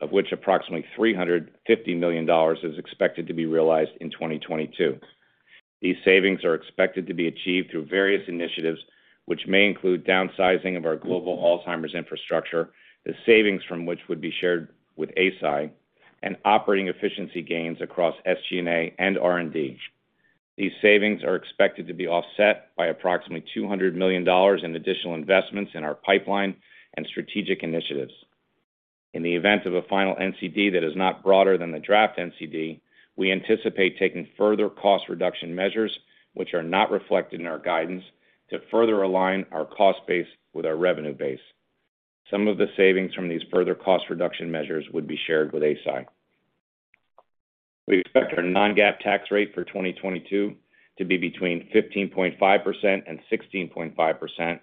of which approximately $350 million is expected to be realized in 2022. These savings are expected to be achieved through various initiatives, which may include downsizing of our global Alzheimer's infrastructure, the savings from which would be shared with Eisai and operating efficiency gains across SG&A and R&D. These savings are expected to be offset by approximately $200 million in additional investments in our pipeline and strategic initiatives. In the event of a final NCD that is not broader than the draft NCD, we anticipate taking further cost reduction measures, which are not reflected in our guidance to further align our cost base with our revenue base. Some of the savings from these further cost reduction measures would be shared with Eisai. We expect our non-GAAP tax rate for 2022 to be between 15.5% and 16.5%,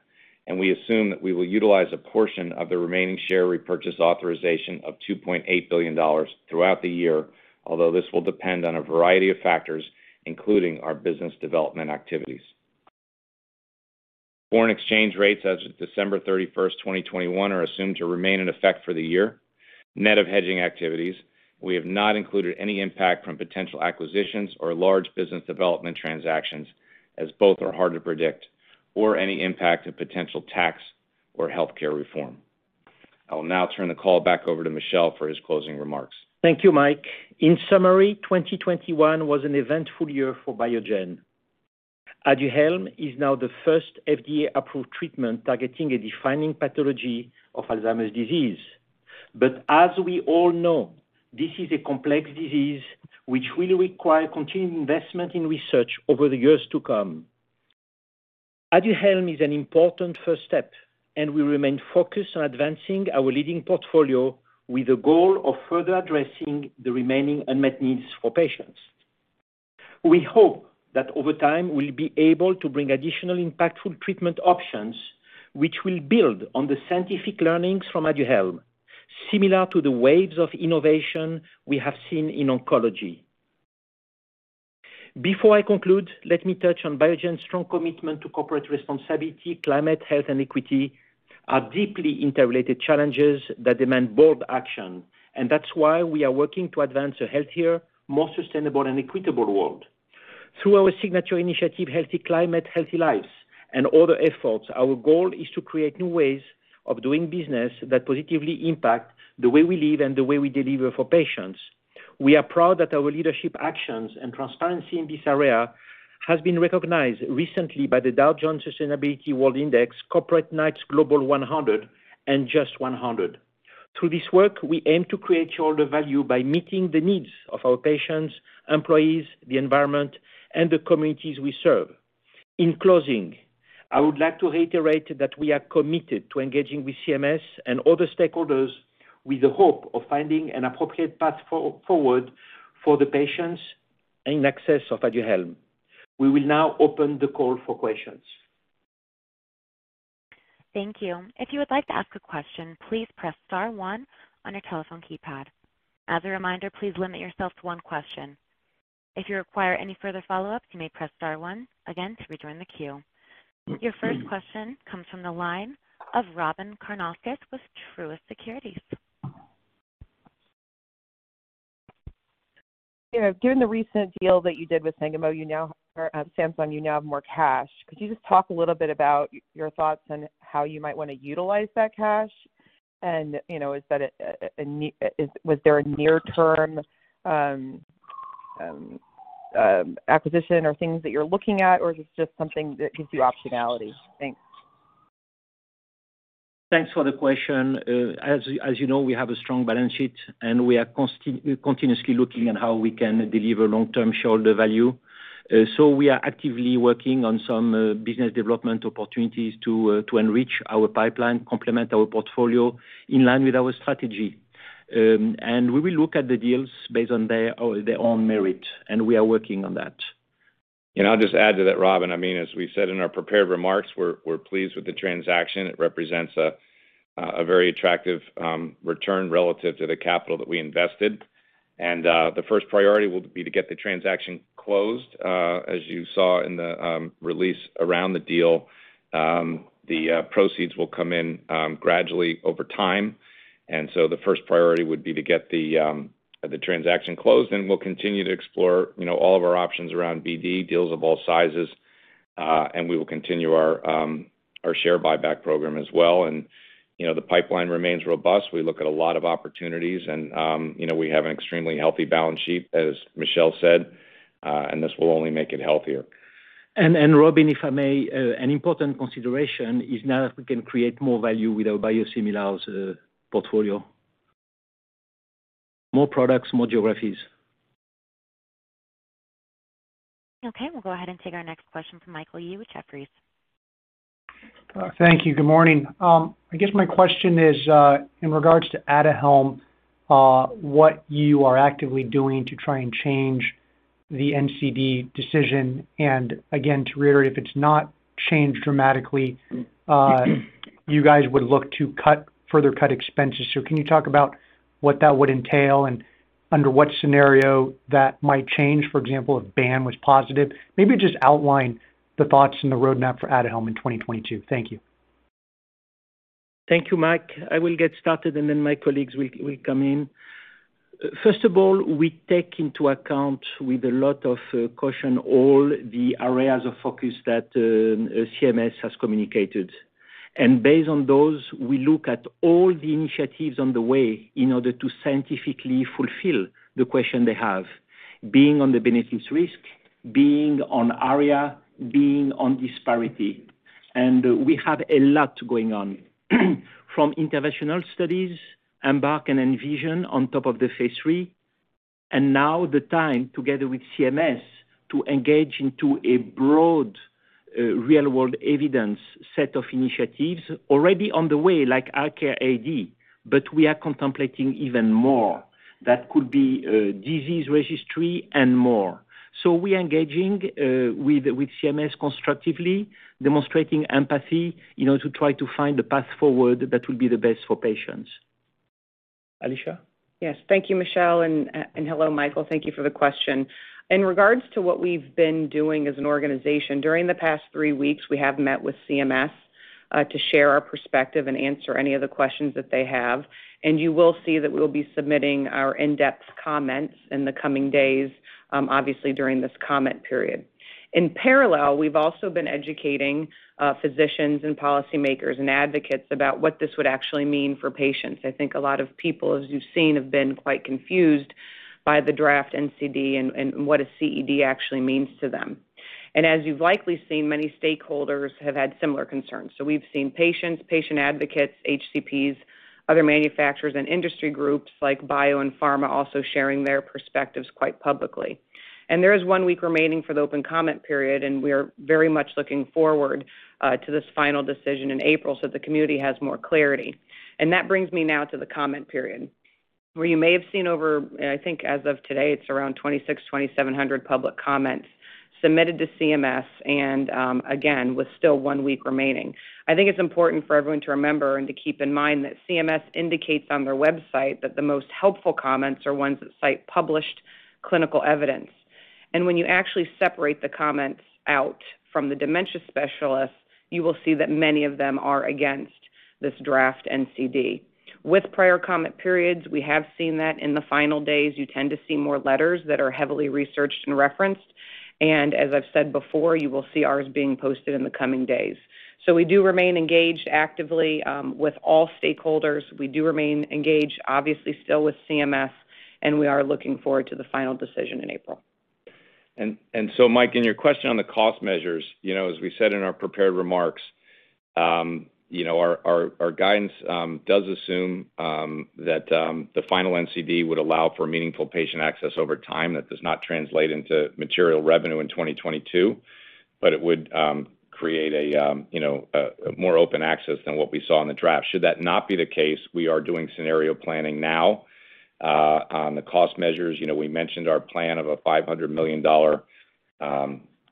and we assume that we will utilize a portion of the remaining share repurchase authorization of $2.8 billion throughout the year, although this will depend on a variety of factors, including our business development activities. Foreign exchange rates as of December 31, 2021 are assumed to remain in effect for the year. Net of hedging activities, we have not included any impact from potential acquisitions or large business development transactions, as both are hard to predict, or any impact of potential tax or healthcare reform. I will now turn the call back over to Michel for his closing remarks. Thank you, Mike. In summary, 2021 was an eventful year for Biogen. Aduhelm is now the first FDA-approved treatment targeting a defining pathology of Alzheimer's disease. As we all know, this is a complex disease which will require continued investment in research over the years to come. Aduhelm is an important first step, and we remain focused on advancing our leading portfolio with the goal of further addressing the remaining unmet needs for patients. We hope that over time, we'll be able to bring additional impactful treatment options, which will build on the scientific learnings from Aduhelm, similar to the waves of innovation we have seen in oncology. Before I conclude, let me touch on Biogen's strong commitment to corporate responsibility. Climate, health, and equity are deeply interrelated challenges that demand bold action, and that's why we are working to advance a healthier, more sustainable, and equitable world. Through our signature initiative, Healthy Climate, Healthy Lives and other efforts, our goal is to create new ways of doing business that positively impact the way we live and the way we deliver for patients. We are proud that our leadership actions and transparency in this area has been recognized recently by the Dow Jones Sustainability World Index, Corporate Knights Global 100 and JUST 100. Through this work, we aim to create shareholder value by meeting the needs of our patients, employees, the environment, and the communities we serve. In closing, I would like to reiterate that we are committed to engaging with CMS and other stakeholders with the hope of finding an appropriate path forward for patient access to Aduhelm. We will now open the call for questions. Thank you. If you would like to ask a question, please press star one on your telephone keypad. As a reminder, please limit yourself to one question. If you require any further follow-up, you may press star one again to rejoin the queue. Your first question comes from the line of Robyn Karnauskas with Truist Securities. You know, given the recent deal that you did with Sangamo, Samsung, you now have more cash. Could you just talk a little bit about your thoughts on how you might want to utilize that cash? You know, is that a near-term acquisition or things that you're looking at, or is this just something that gives you optionality? Thanks. Thanks for the question. As you know, we have a strong balance sheet, and we are continuously looking at how we can deliver long-term shareholder value. We are actively working on some business development opportunities to enrich our pipeline, complement our portfolio in line with our strategy. We will look at the deals based on their own merit, and we are working on that. I'll just add to that, Robyn. I mean, as we said in our prepared remarks, we're pleased with the transaction. It represents a very attractive return relative to the capital that we invested. The first priority will be to get the transaction closed. As you saw in the release around the deal, the proceeds will come in gradually over time. The first priority would be to get the transaction closed, and we'll continue to explore, you know, all of our options around BD, deals of all sizes. We will continue our share buyback program as well. You know, the pipeline remains robust. We look at a lot of opportunities and, you know, we have an extremely healthy balance sheet, as Michel said, and this will only make it healthier. Robyn, if I may, an important consideration is now that we can create more value with our biosimilars portfolio. More products, more geographies. Okay, we'll go ahead and take our next question from Michael Yee with Jefferies. Thank you. Good morning. I guess my question is, in regards to Aduhelm, what you are actively doing to try and change the NCD decision. Again, to reiterate, if it's not changed dramatically, you guys would look to further cut expenses. Can you talk about what that would entail and under what scenario that might change? For example, if BAN2401 was positive. Maybe just outline the thoughts and the roadmap for Aduhelm in 2022. Thank you. Thank you, Mike. I will get started and then my colleagues will come in. First of all, we take into account with a lot of caution all the areas of focus that CMS has communicated. Based on those, we look at all the initiatives on the way in order to scientifically fulfill the question they have, being on the benefit-risk, being on ARIA, being on disparity. We have a lot going on, from interventional studies, EMBARK and ENVISION on top of the phase III. Now is the time, together with CMS, to engage into a broad real-world evidence set of initiatives already on the way, like ICARE AD, but we are contemplating even more. That could be disease registry and more. We are engaging with CMS constructively, demonstrating empathy, you know, to try to find a path forward that will be the best for patients. Alisha? Yes. Thank you, Michel. Hello, Michael. Thank you for the question. In regards to what we've been doing as an organization, during the past three weeks, we have met with CMS to share our perspective and answer any of the questions that they have. You will see that we'll be submitting our in-depth comments in the coming days, obviously during this comment period. In parallel, we've also been educating physicians and policymakers and advocates about what this would actually mean for patients. I think a lot of people, as you've seen, have been quite confused by the draft NCD and what a CED actually means to them. As you've likely seen, many stakeholders have had similar concerns. We've seen patients, patient advocates, HCPs, other manufacturers and industry groups like BIO and PhRMA also sharing their perspectives quite publicly. There is one week remaining for the open comment period, and we are very much looking forward to this final decision in April so the community has more clarity. That brings me now to the comment period, where you may have seen over, and I think as of today, it's around 2,600-2,700 public comments submitted to CMS and, again, with still one week remaining. I think it's important for everyone to remember and to keep in mind that CMS indicates on their website that the most helpful comments are ones that cite published clinical evidence. When you actually separate the comments out from the dementia specialists, you will see that many of them are against this draft NCD. With prior comment periods, we have seen that in the final days, you tend to see more letters that are heavily researched and referenced. As I've said before, you will see ours being posted in the coming days. We do remain engaged actively, with all stakeholders. We do remain engaged, obviously, still with CMS, and we are looking forward to the final decision in April. Mike, in your question on the cost measures, you know, as we said in our prepared remarks, you know, our guidance does assume that the final NCD would allow for meaningful patient access over time. That does not translate into material revenue in 2022, but it would create a you know, a more open access than what we saw in the draft. Should that not be the case, we are doing scenario planning now on the cost measures. You know, we mentioned our plan of a $500 million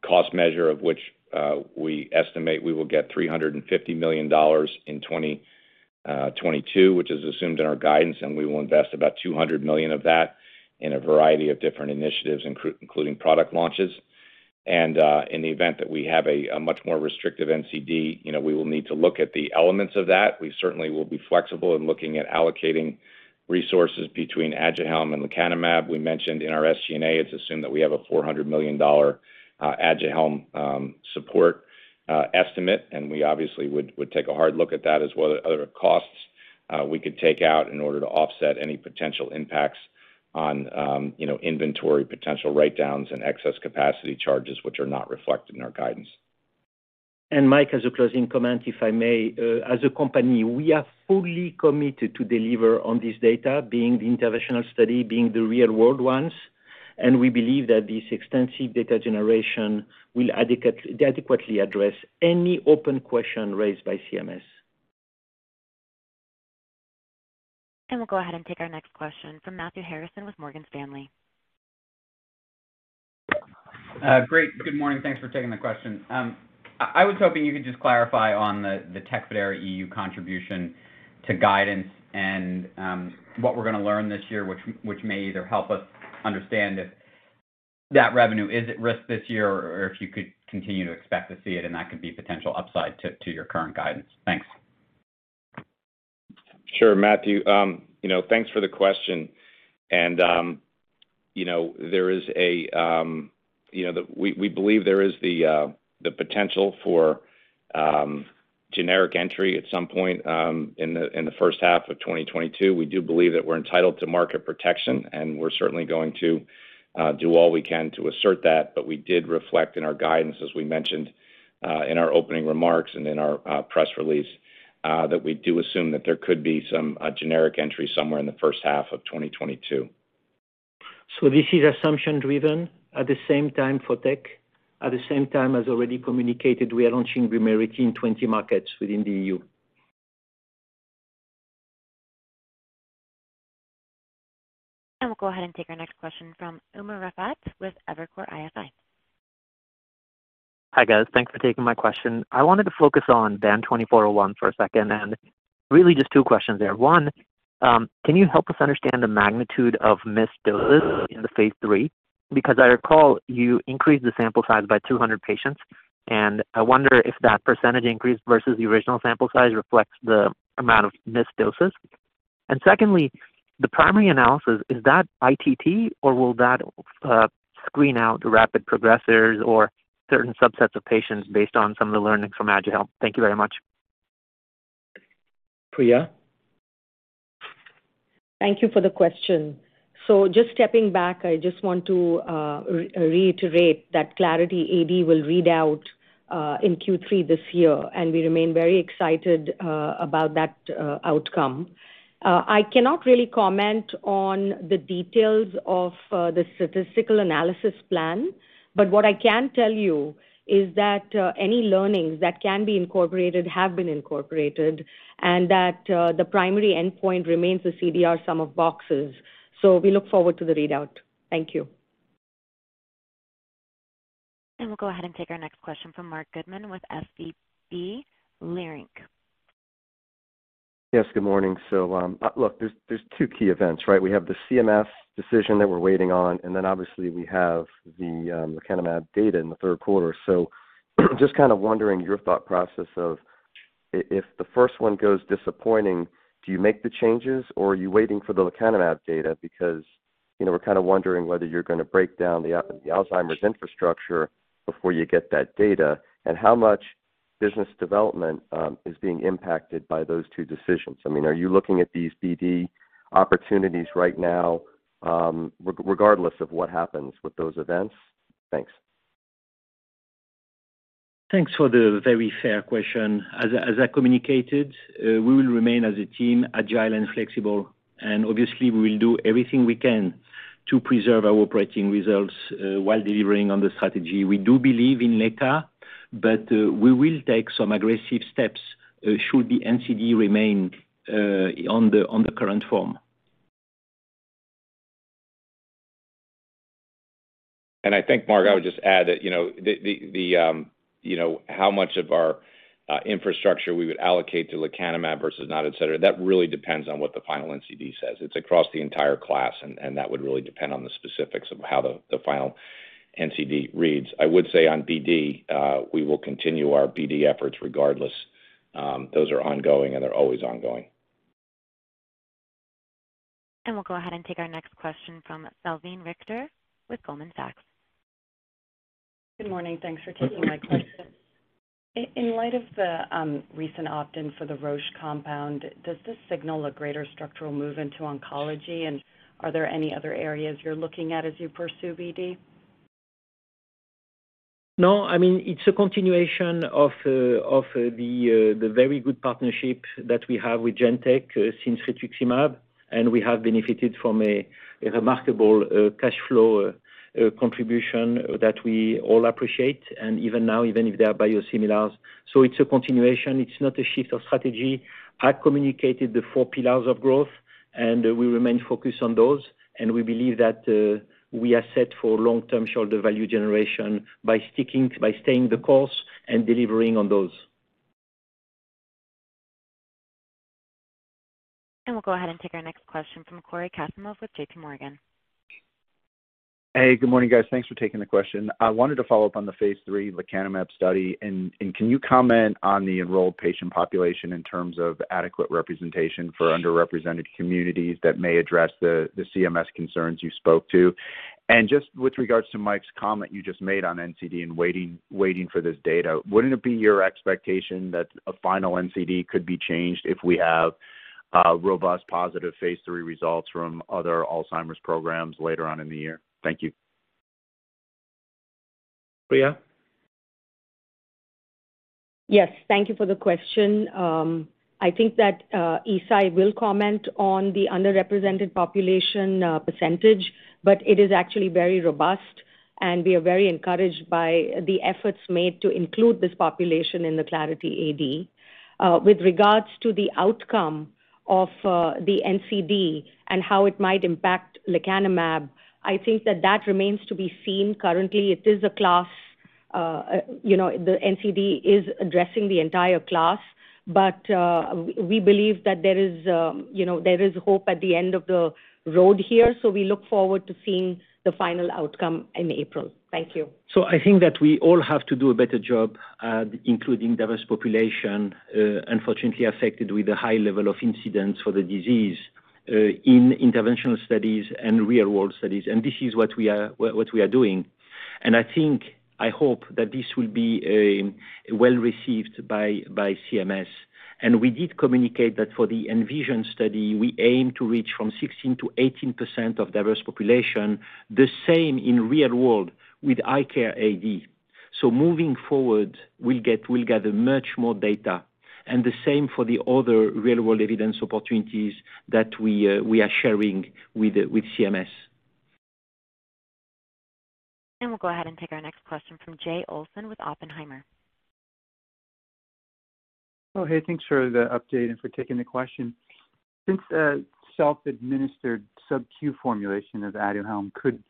cost measure, of which we estimate we will get $350 million in 2022, which is assumed in our guidance, and we will invest about $200 million of that in a variety of different initiatives, including product launches. In the event that we have a much more restrictive NCD, you know, we will need to look at the elements of that. We certainly will be flexible in looking at allocating resources between Aduhelm and lecanemab. We mentioned in our SG&A, it's assumed that we have a $400 million Aduhelm support estimate, and we obviously would take a hard look at that as what other costs we could take out in order to offset any potential impacts on, you know, inventory, potential write-downs, and excess capacity charges which are not reflected in our guidance. Mike, as a closing comment, if I may, as a company, we are fully committed to deliver on this data being the interventional study, being the real-world ones. We believe that this extensive data generation will adequately address any open question raised by CMS. We'll go ahead and take our next question from Matthew Harrison with Morgan Stanley. Great. Good morning. Thanks for taking the question. I was hoping you could just clarify on the Tecfidera EU contribution to guidance and what we're gonna learn this year, which may either help us understand if that revenue is at risk this year or if you could continue to expect to see it and that could be potential upside to your current guidance. Thanks. Sure, Matthew. You know, thanks for the question. You know, we believe there is the potential for generic entry at some point in the first half of 2022. We do believe that we're entitled to market protection, and we're certainly going to do all we can to assert that. We did reflect in our guidance, as we mentioned, in our opening remarks and in our press release, that we do assume that there could be some generic entry somewhere in the first half of 2022. This is assumption-driven at the same time for tech, at the same time as already communicated, we are launching Vumerity in 20 markets within the EU. We'll go ahead and take our next question from Umer Raffat with Evercore ISI. Hi, guys. Thanks for taking my question. I wanted to focus on BAN2401 for a second, and really just two questions there. One, can you help us understand the magnitude of missed doses in the phase III? Because I recall you increased the sample size by 200 patients, and I wonder if that percentage increase versus the original sample size reflects the amount of missed doses. Secondly, the primary analysis, is that ITT or will that screen out rapid progressors or certain subsets of patients based on some of the learnings from Aduhelm? Thank you very much. Priya? Thank you for the question. Just stepping back, I just want to reiterate that Clarity AD will read out in Q3 this year, and we remain very excited about that outcome. I cannot really comment on the details of the statistical analysis plan. What I can tell you is that any learnings that can be incorporated have been incorporated, and that the primary endpoint remains the CDR-Sum of Boxes. We look forward to the readout. Thank you. We'll go ahead and take our next question from Marc Goodman with SVB Leerink. Yes, good morning. Look, there's two key events, right? We have the CMS decision that we're waiting on, and then obviously we have the lecanemab data in the third quarter. Just kind of wondering your thought process of if the first one goes disappointing, do you make the changes or are you waiting for the lecanemab data? Because, you know, we're kind of wondering whether you're gonna break down the Alzheimer's infrastructure before you get that data, and how much business development is being impacted by those two decisions. I mean, are you looking at these BD opportunities right now, regardless of what happens with those events? Thanks. Thanks for the very fair question. As I communicated, we will remain as a team, agile and flexible, and obviously, we will do everything we can to preserve our operating results, while delivering on the strategy. We do believe in lecanemab, but we will take some aggressive steps, should the NCD remain on the current form. I think, Marc, I would just add that, you know, how much of our infrastructure we would allocate to lecanemab versus not, et cetera, that really depends on what the final NCD says. It's across the entire class and that would really depend on the specifics of how the final NCD reads. I would say on BD, we will continue our BD efforts regardless. Those are ongoing, and they're always ongoing. We'll go ahead and take our next question from Salveen Richter with Goldman Sachs. Good morning. Thanks for taking my question. In light of the recent opt-in for the Roche compound, does this signal a greater structural move into oncology? Are there any other areas you're looking at as you pursue BD? No, I mean, it's a continuation of the very good partnership that we have with Genentech since rituximab, and we have benefited from a remarkable cash flow contribution that we all appreciate, and even now, even if they are biosimilars. It's a continuation, it's not a shift of strategy. I communicated the four pillars of growth, and we remain focused on those. We believe that we are set for long-term shareholder value generation by staying the course and delivering on those. We'll go ahead and take our next question from Cory Kasimov with JP Morgan. Hey, good morning, guys. Thanks for taking the question. I wanted to follow up on the phase III lecanemab study. Can you comment on the enrolled patient population in terms of adequate representation for underrepresented communities that may address the CMS concerns you spoke to? Just with regards to Mike's comment you just made on NCD and waiting for this data, wouldn't it be your expectation that a final NCD could be changed if we have robust positive phase III results from other Alzheimer's programs later on in the year? Thank you. Priya? Yes. Thank you for the question. I think that, Eisai will comment on the underrepresented population, percentage, but it is actually very robust, and we are very encouraged by the efforts made to include this population in the Clarity AD. With regards to the outcome of the NCD and how it might impact lecanemab, I think that remains to be seen. Currently, it is a class, you know, the NCD is addressing the entire class, but, we believe that there is, you know, there is hope at the end of the road here. We look forward to seeing the final outcome in April. Thank you. I think that we all have to do a better job at including diverse population, unfortunately affected with a high level of incidence for the disease, in interventional studies and real-world studies. This is what we are, what we are doing. I think, I hope that this will be, well-received by CMS. We did communicate that for the ENVISION study, we aim to reach from 16%-18% of diverse population, the same in real world with ICARE AD. Moving forward, we'll gather much more data, and the same for the other real-world evidence opportunities that we are sharing with CMS. We'll go ahead and take our next question from Jay Olson with Oppenheimer. Oh, hey, thanks for the update and for taking the question. Since a self-administered sub-Q formulation of Aduhelm could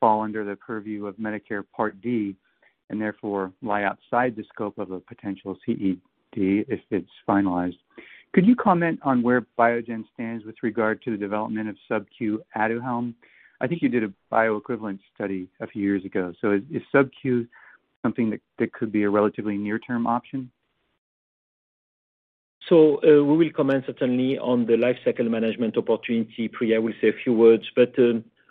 fall under the purview of Medicare Part D and therefore lie outside the scope of a potential CED if it's finalized, could you comment on where Biogen stands with regard to the development of sub-Q Aduhelm? I think you did a bioequivalent study a few years ago. Is sub-Q something that could be a relatively near-term option? We will comment certainly on the lifecycle management opportunity. Priya will say a few words, but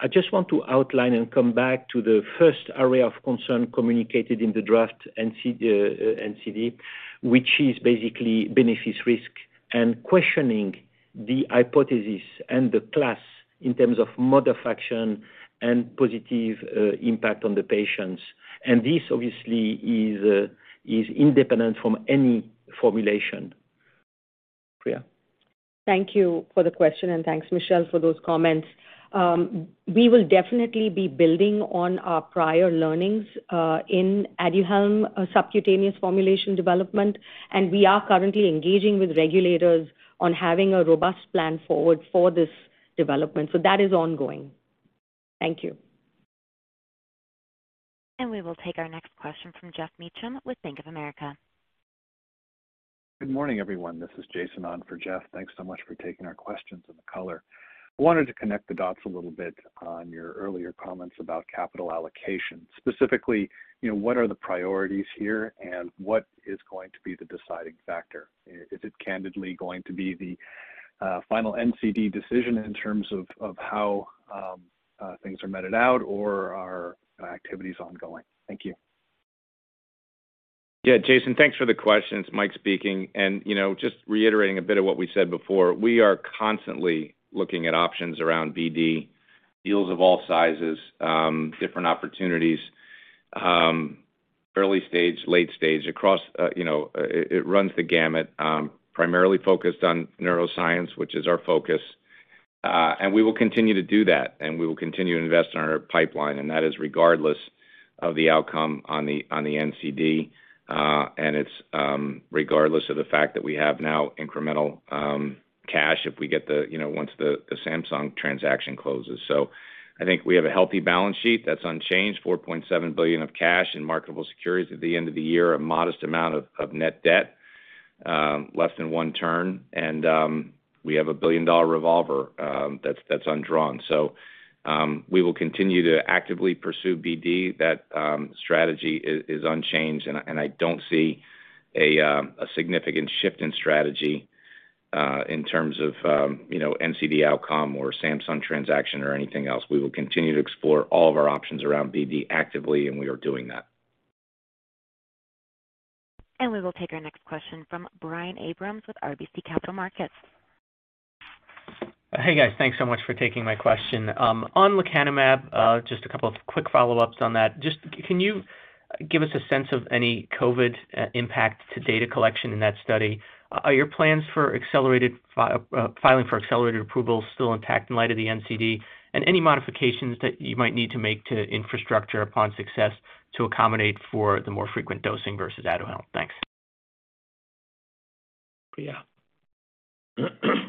I just want to outline and come back to the first area of concern communicated in the draft NCD, which is basically benefit risk and questioning the hypothesis and the claims in terms of modification and positive impact on the patients. This obviously is independent from any formulation. Priya. Thank you for the question, and thanks, Michel, for those comments. We will definitely be building on our prior learnings in Aduhelm subcutaneous formulation development, and we are currently engaging with regulators on having a robust plan forward for this development. That is ongoing. Thank you. We will take our next question from Geoff Meacham with Bank of America. Good morning, everyone. This is Jason on for Jeff. Thanks so much for taking our questions and the color. I wanted to connect the dots a little bit on your earlier comments about capital allocation. Specifically, you know, what are the priorities here and what is going to be the deciding factor? Is it candidly going to be the final NCD decision in terms of how things are meted out or are activities ongoing? Thank you. Yeah, Jason, thanks for the question. It's Mike speaking. You know, just reiterating a bit of what we said before, we are constantly looking at options around BD, deals of all sizes, different opportunities, early stage, late stage, across, you know, it runs the gamut, primarily focused on neuroscience, which is our focus. We will continue to do that, and we will continue to invest in our pipeline, and that is regardless of the outcome on the NCD. It's regardless of the fact that we have now incremental cash if we get the, you know, once the Samsung transaction closes. I think we have a healthy balance sheet that's unchanged, $4.7 billion of cash and marketable securities at the end of the year, a modest amount of net debt, less than one turn. We have a billion-dollar revolver that's undrawn. We will continue to actively pursue BD. That strategy is unchanged, and I don't see a significant shift in strategy. In terms of NCD outcome or Samsung transaction or anything else, we will continue to explore all of our options around BD actively, and we are doing that. We will take our next question from Brian Abrahams with RBC Capital Markets. Hey, guys. Thanks so much for taking my question. On lecanemab, just a couple of quick follow-ups on that. Just can you give us a sense of any COVID impact to data collection in that study? Are your plans for accelerated filing for accelerated approval still intact in light of the NCD? Any modifications that you might need to make to infrastructure upon success to accommodate for the more frequent dosing versus Aduhelm? Thanks. Priya?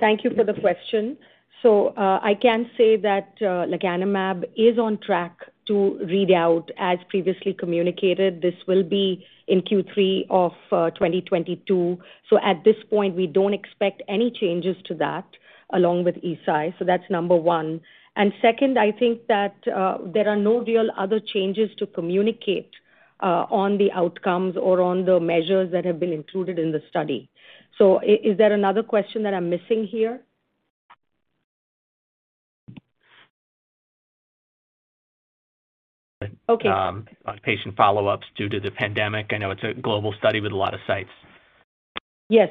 Thank you for the question. I can say that lecanemab is on track to read out. As previously communicated, this will be in Q3 of 2022. At this point, we don't expect any changes to that along with Eisai. That's number one. Second, I think that there are no real other changes to communicate on the outcomes or on the measures that have been included in the study. Is there another question that I'm missing here? Okay. On patient follow-ups due to the pandemic, I know it's a global study with a lot of sites. Yes.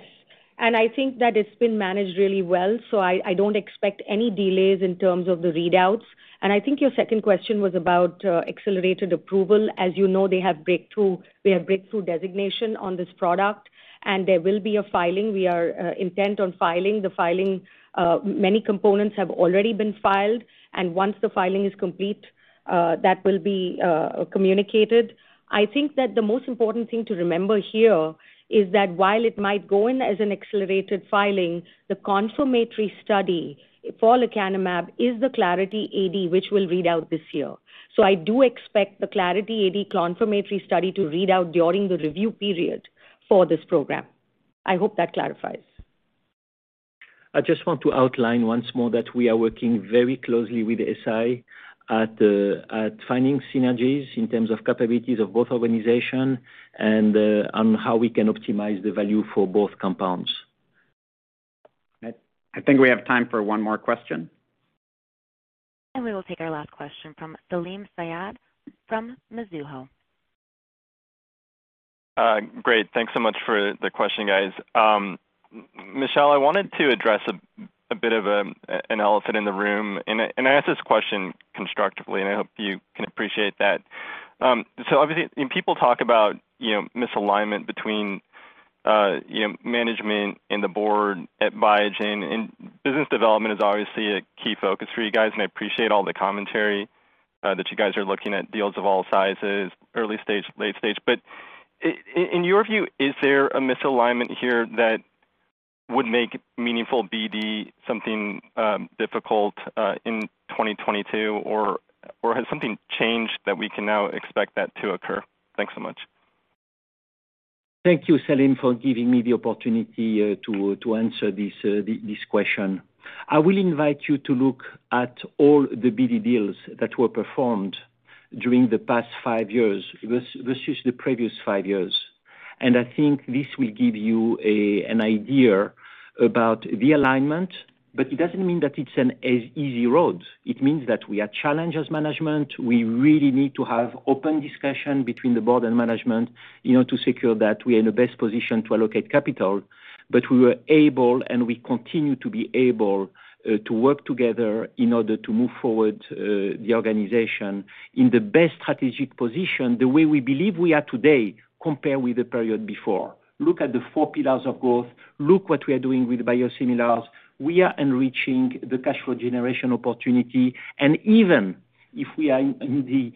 I think that it's been managed really well, so I don't expect any delays in terms of the readouts. I think your second question was about accelerated approval. As you know, we have breakthrough designation on this product, and there will be a filing. We are intent on filing. The filing, many components have already been filed, and once the filing is complete, that will be communicated. I think that the most important thing to remember here is that while it might go in as an accelerated filing, the confirmatory study for lecanemab is the Clarity AD, which will read out this year. I do expect the Clarity AD confirmatory study to read out during the review period for this program. I hope that clarifies. I just want to outline once more that we are working very closely with Eisai at finding synergies in terms of capabilities of both organization and on how we can optimize the value for both compounds. I think we have time for one more question. We will take our last question from Salim Syed from Mizuho. Great. Thanks so much for the question, guys. Michel, I wanted to address a bit of an elephant in the room. I ask this question constructively, and I hope you can appreciate that. So obviously when people talk about, you know, misalignment between, you know, management and the board at Biogen, and business development is obviously a key focus for you guys, and I appreciate all the commentary that you guys are looking at deals of all sizes, early stage, late stage. In your view, is there a misalignment here that would make meaningful BD something difficult in 2022? Has something changed that we can now expect that to occur? Thanks so much. Thank you, Salim, for giving me the opportunity to answer this question. I will invite you to look at all the BD deals that were performed during the past five years versus the previous five years. I think this will give you an idea about the alignment, but it doesn't mean that it's an easy road. It means that we are challenged as management. We really need to have open discussion between the board and management, you know, to secure that we are in the best position to allocate capital. We were able, and we continue to be able, to work together in order to move the organization forward in the best strategic position, the way we believe we are today compared with the period before. Look at the four pillars of growth. Look what we are doing with biosimilars. We are enriching the cash flow generation opportunity. Even if we are in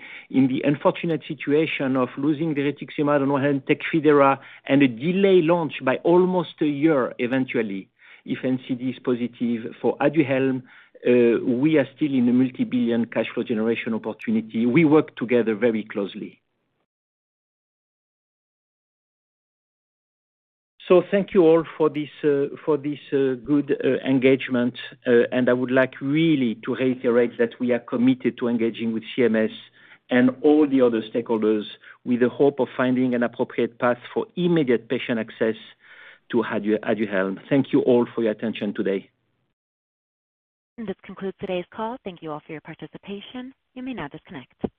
the unfortunate situation of losing Rituxan and Tecfidera and a delayed launch by almost a year eventually, if NCD is positive for Aduhelm, we are still in a multi-billion cash flow generation opportunity. We work together very closely. Thank you all for this good engagement. I would like really to reiterate that we are committed to engaging with CMS and all the other stakeholders with the hope of finding an appropriate path for immediate patient access to Aduhelm. Thank you all for your attention today. This concludes today's call. Thank you all for your participation. You may now disconnect.